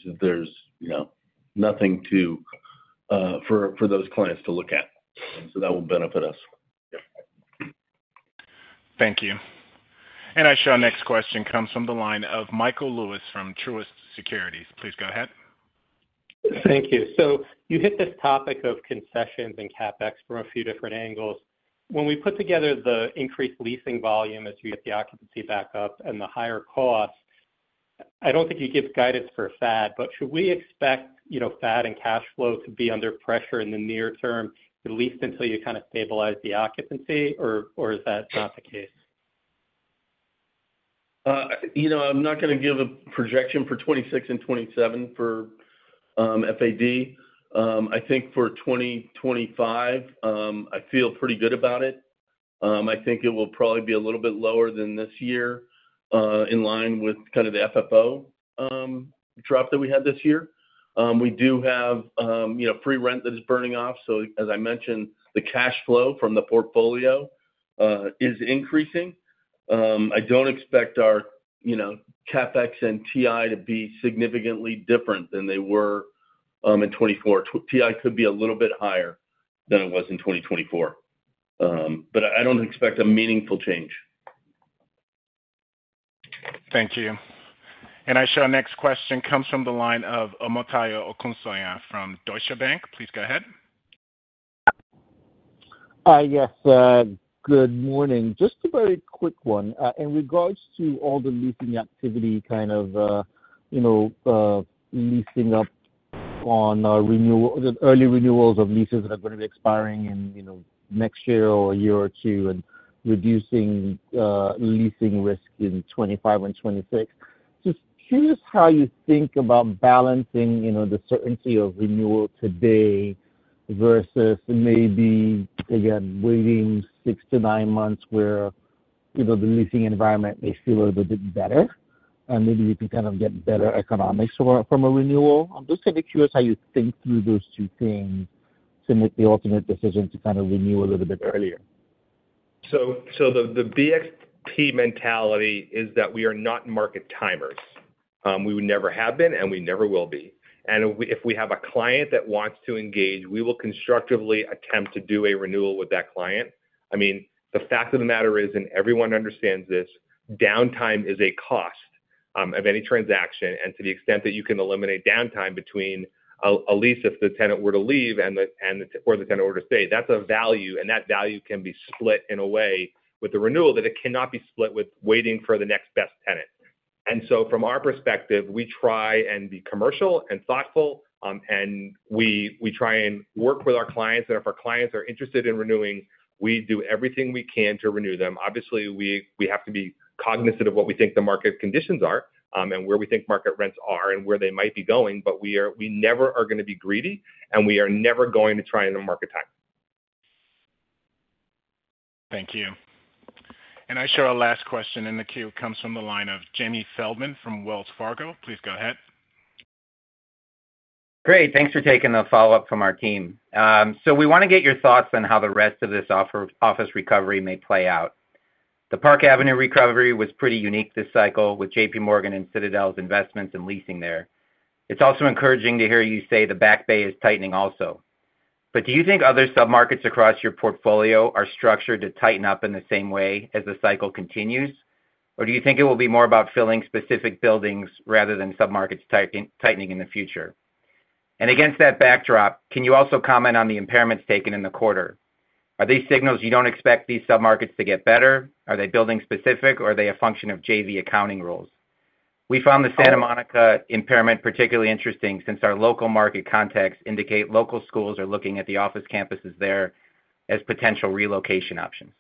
nothing for those clients to look at. So that will benefit us. Thank you. And our next question comes from the line of Michael Lewis from Truist Securities. Please go ahead. Thank you. So you hit this topic of concessions and CapEx from a few different angles. When we put together the increased leasing volume as you get the occupancy back up and the higher costs, I don't think you give guidance for FAD, but should we expect FAD and cash flow to be under pressure in the near term, at least until you kind of stabilize the occupancy, or is that not the case? I'm not going to give a projection for 2026 and 2027 for FAD. I think for 2025, I feel pretty good about it. I think it will probably be a little bit lower than this year in line with kind of the FFO drop that we had this year. We do have free rent that is burning off. So as I mentioned, the cash flow from the portfolio is increasing. I don't expect our CapEx and TI to be significantly different than they were in 2024. TI could be a little bit higher than it was in 2024. But I don't expect a meaningful change. Thank you. And I show our next question comes from the line of Omotayo Okusanya from Deutsche Bank. Please go ahead. Yes. Good morning. Just a very quick one. In regards to all the leasing activity kind of leasing up on early renewals of leases that are going to be expiring in next year or a year or two and reducing leasing risk in 2025 and 2026, just curious how you think about balancing the certainty of renewal today versus maybe, again, waiting six to nine months where the leasing environment may feel a little bit better and maybe you can kind of get better economics from a renewal. I'm just kind of curious how you think through those two things to make the ultimate decision to kind of renew a little bit earlier. So the BXP mentality is that we are not market timers. We would never have been, and we never will be. And if we have a client that wants to engage, we will constructively attempt to do a renewal with that client. I mean, the fact of the matter is, and everyone understands this, downtime is a cost of any transaction. And to the extent that you can eliminate downtime between a lease if the tenant were to leave or the tenant were to stay, that's a value. And that value can be split in a way with the renewal that it cannot be split with waiting for the next best tenant. And so from our perspective, we try and be commercial and thoughtful, and we try and work with our clients. And if our clients are interested in renewing, we do everything we can to renew them. Obviously, we have to be cognizant of what we think the market conditions are and where we think market rents are and where they might be going, but we never are going to be greedy, and we are never going to try and market time. Thank you. And our last question in the queue comes from the line of Jamie Feldman from Wells Fargo. Please go ahead. Great. Thanks for taking the follow-up from our team. So we want to get your thoughts on how the rest of this office recovery may play out. The Park Avenue recovery was pretty unique this cycle with JPMorgan and Citadel's investments and leasing there. It's also encouraging to hear you say the Back Bay is tightening also. But do you think other submarkets across your portfolio are structured to tighten up in the same way as the cycle continues, or do you think it will be more about filling specific buildings rather than submarkets tightening in the future? And against that backdrop, can you also comment on the impairments taken in the quarter? Are these signals you don't expect these submarkets to get better? Are they building-specific, or are they a function of JV accounting rules? We found the Santa Monica impairment particularly interesting since our local market context indicates local schools are looking at the office campuses there as potential relocation options.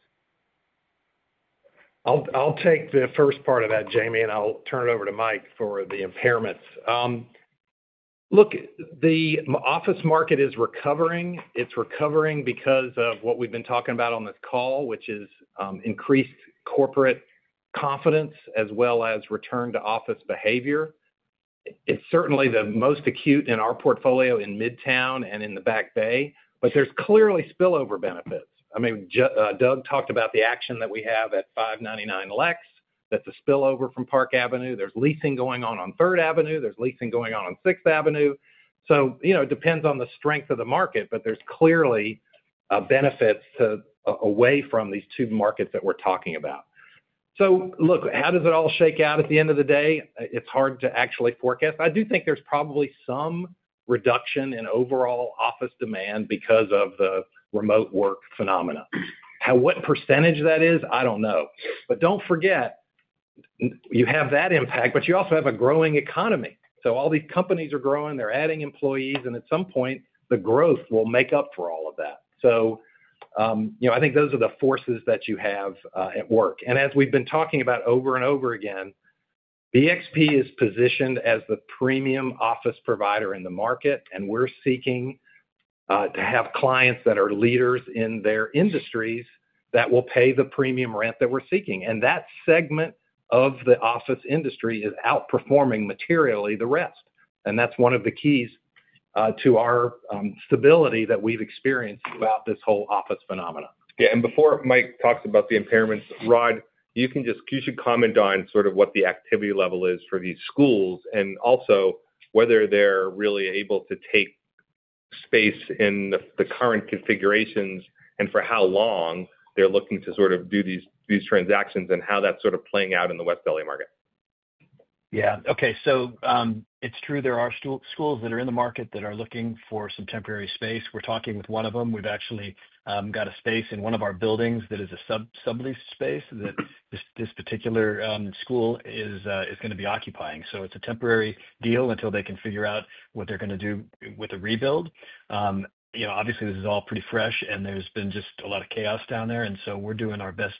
I'll take the first part of that, Jamie, and I'll turn it over to Mike for the impairments. Look, the office market is recovering. It's recovering because of what we've been talking about on this call, which is increased corporate confidence as well as return-to-office behavior. It's certainly the most acute in our portfolio in Midtown and in the Back Bay, but there's clearly spillover benefits. I mean, Doug talked about the action that we have at 599 Lex. That's a spillover from Park Avenue. There's leasing going on on Third Avenue. There's leasing going on on Sixth Avenue. So it depends on the strength of the market, but there's clearly benefits away from these two markets that we're talking about. So look, how does it all shake out at the end of the day? It's hard to actually forecast. I do think there's probably some reduction in overall office demand because of the remote work phenomena. What percentage that is, I don't know? But don't forget, you have that impact, but you also have a growing economy. So all these companies are growing. They're adding employees, and at some point, the growth will make up for all of that. So I think those are the forces that you have at work. And as we've been talking about over and over again, BXP is positioned as the premium office provider in the market, and we're seeking to have clients that are leaders in their industries that will pay the premium rent that we're seeking. And that segment of the office industry is outperforming materially the rest. And that's one of the keys to our stability that we've experienced throughout this whole office phenomenon. Yeah. And before Mike talks about the impairments, Rod, you should comment on sort of what the activity level is for these schools and also whether they're really able to take space in the current configurations and for how long they're looking to sort of do these transactions and how that's sort of playing out in the West LA market. Yeah. Okay. So it's true there are schools that are in the market that are looking for some temporary space. We're talking with one of them. We've actually got a space in one of our buildings that is a sublease space that this particular school is going to be occupying. So it's a temporary deal until they can figure out what they're going to do with the rebuild. Obviously, this is all pretty fresh, and there's been just a lot of chaos down there. And so we're doing our best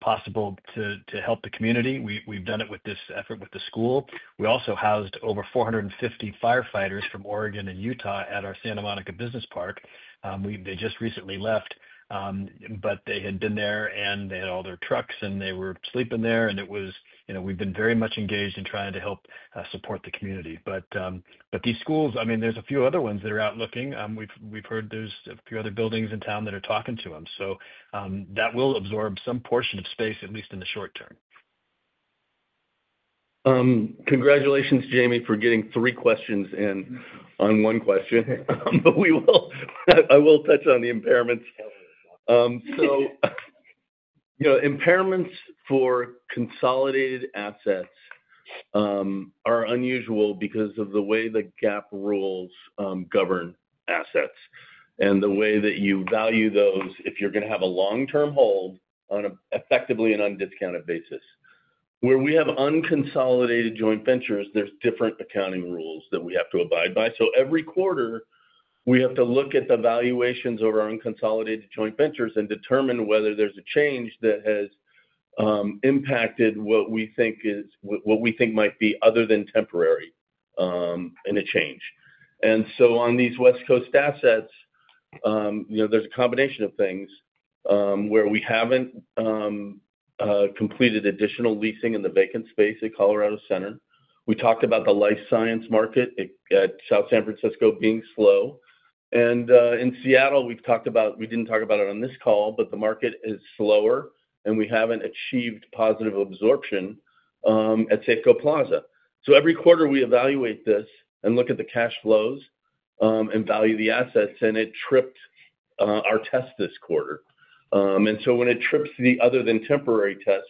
possible to help the community. We've done it with this effort with the school. We also housed over 450 firefighters from Oregon and Utah at our Santa Monica Business Park. They just recently left, but they had been there, and they had all their trucks, and they were sleeping there. And we've been very much engaged in trying to help support the community. But these schools, I mean, there's a few other ones that are out looking. We've heard there's a few other buildings in town that are talking to them. So that will absorb some portion of space, at least in the short term. Congratulations, Jamie, for getting three questions in on one question. I will touch on the impairments. Impairments for consolidated assets are unusual because of the way the GAAP rules govern assets and the way that you value those if you're going to have a long-term hold on an effectively and undiscounted basis. Where we have unconsolidated joint ventures, there's different accounting rules that we have to abide by. Every quarter, we have to look at the valuations of our unconsolidated joint ventures and determine whether there's a change that has impacted what we think might be other than temporary in a change. On these West Coast assets, there's a combination of things where we haven't completed additional leasing in the vacant space at Colorado Center. We talked about the life science market at South San Francisco being slow. In Seattle, we've talked about, we didn't talk about it on this call, but the market is slower, and we haven't achieved positive absorption at Safeco Plaza. Every quarter, we evaluate this and look at the cash flows and value the assets, and it tripped our test this quarter. So when it trips the other-than-temporary test,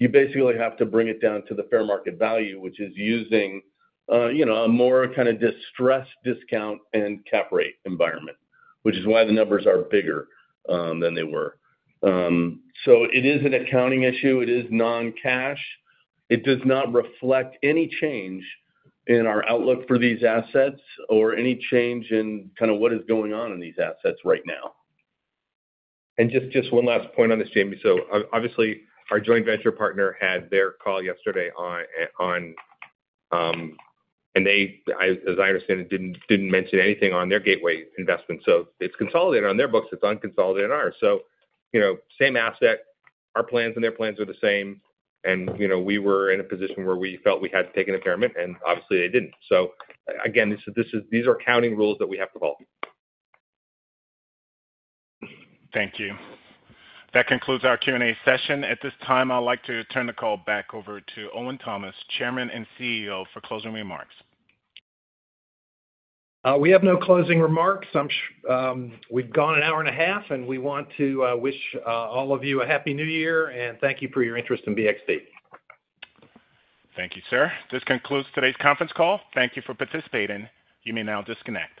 you basically have to bring it down to the fair market value, which is using a more kind of distressed discount and cap rate environment, which is why the numbers are bigger than they were. It is an accounting issue. It is non-cash. It does not reflect any change in our outlook for these assets or any change in kind of what is going on in these assets right now. Just one last point on this, Jamie. So obviously, our joint venture partner had their call yesterday on, and as I understand, it didn't mention anything on their gateway investment. So it's consolidated on their books. It's unconsolidated on ours. So same asset. Our plans and their plans are the same. And we were in a position where we felt we had to take an impairment, and obviously, they didn't. So again, these are accounting rules that we have to follow. Thank you. That concludes our Q&A session. At this time, I'd like to turn the call back over to Owen Thomas, Chairman and CEO, for closing remarks. We have no closing remarks. We've gone an hour and a half, and we want to wish all of you a Happy New Year and thank you for your interest in BXP. Thank you, sir. This concludes today's conference call. Thank you for participating. You may now disconnect.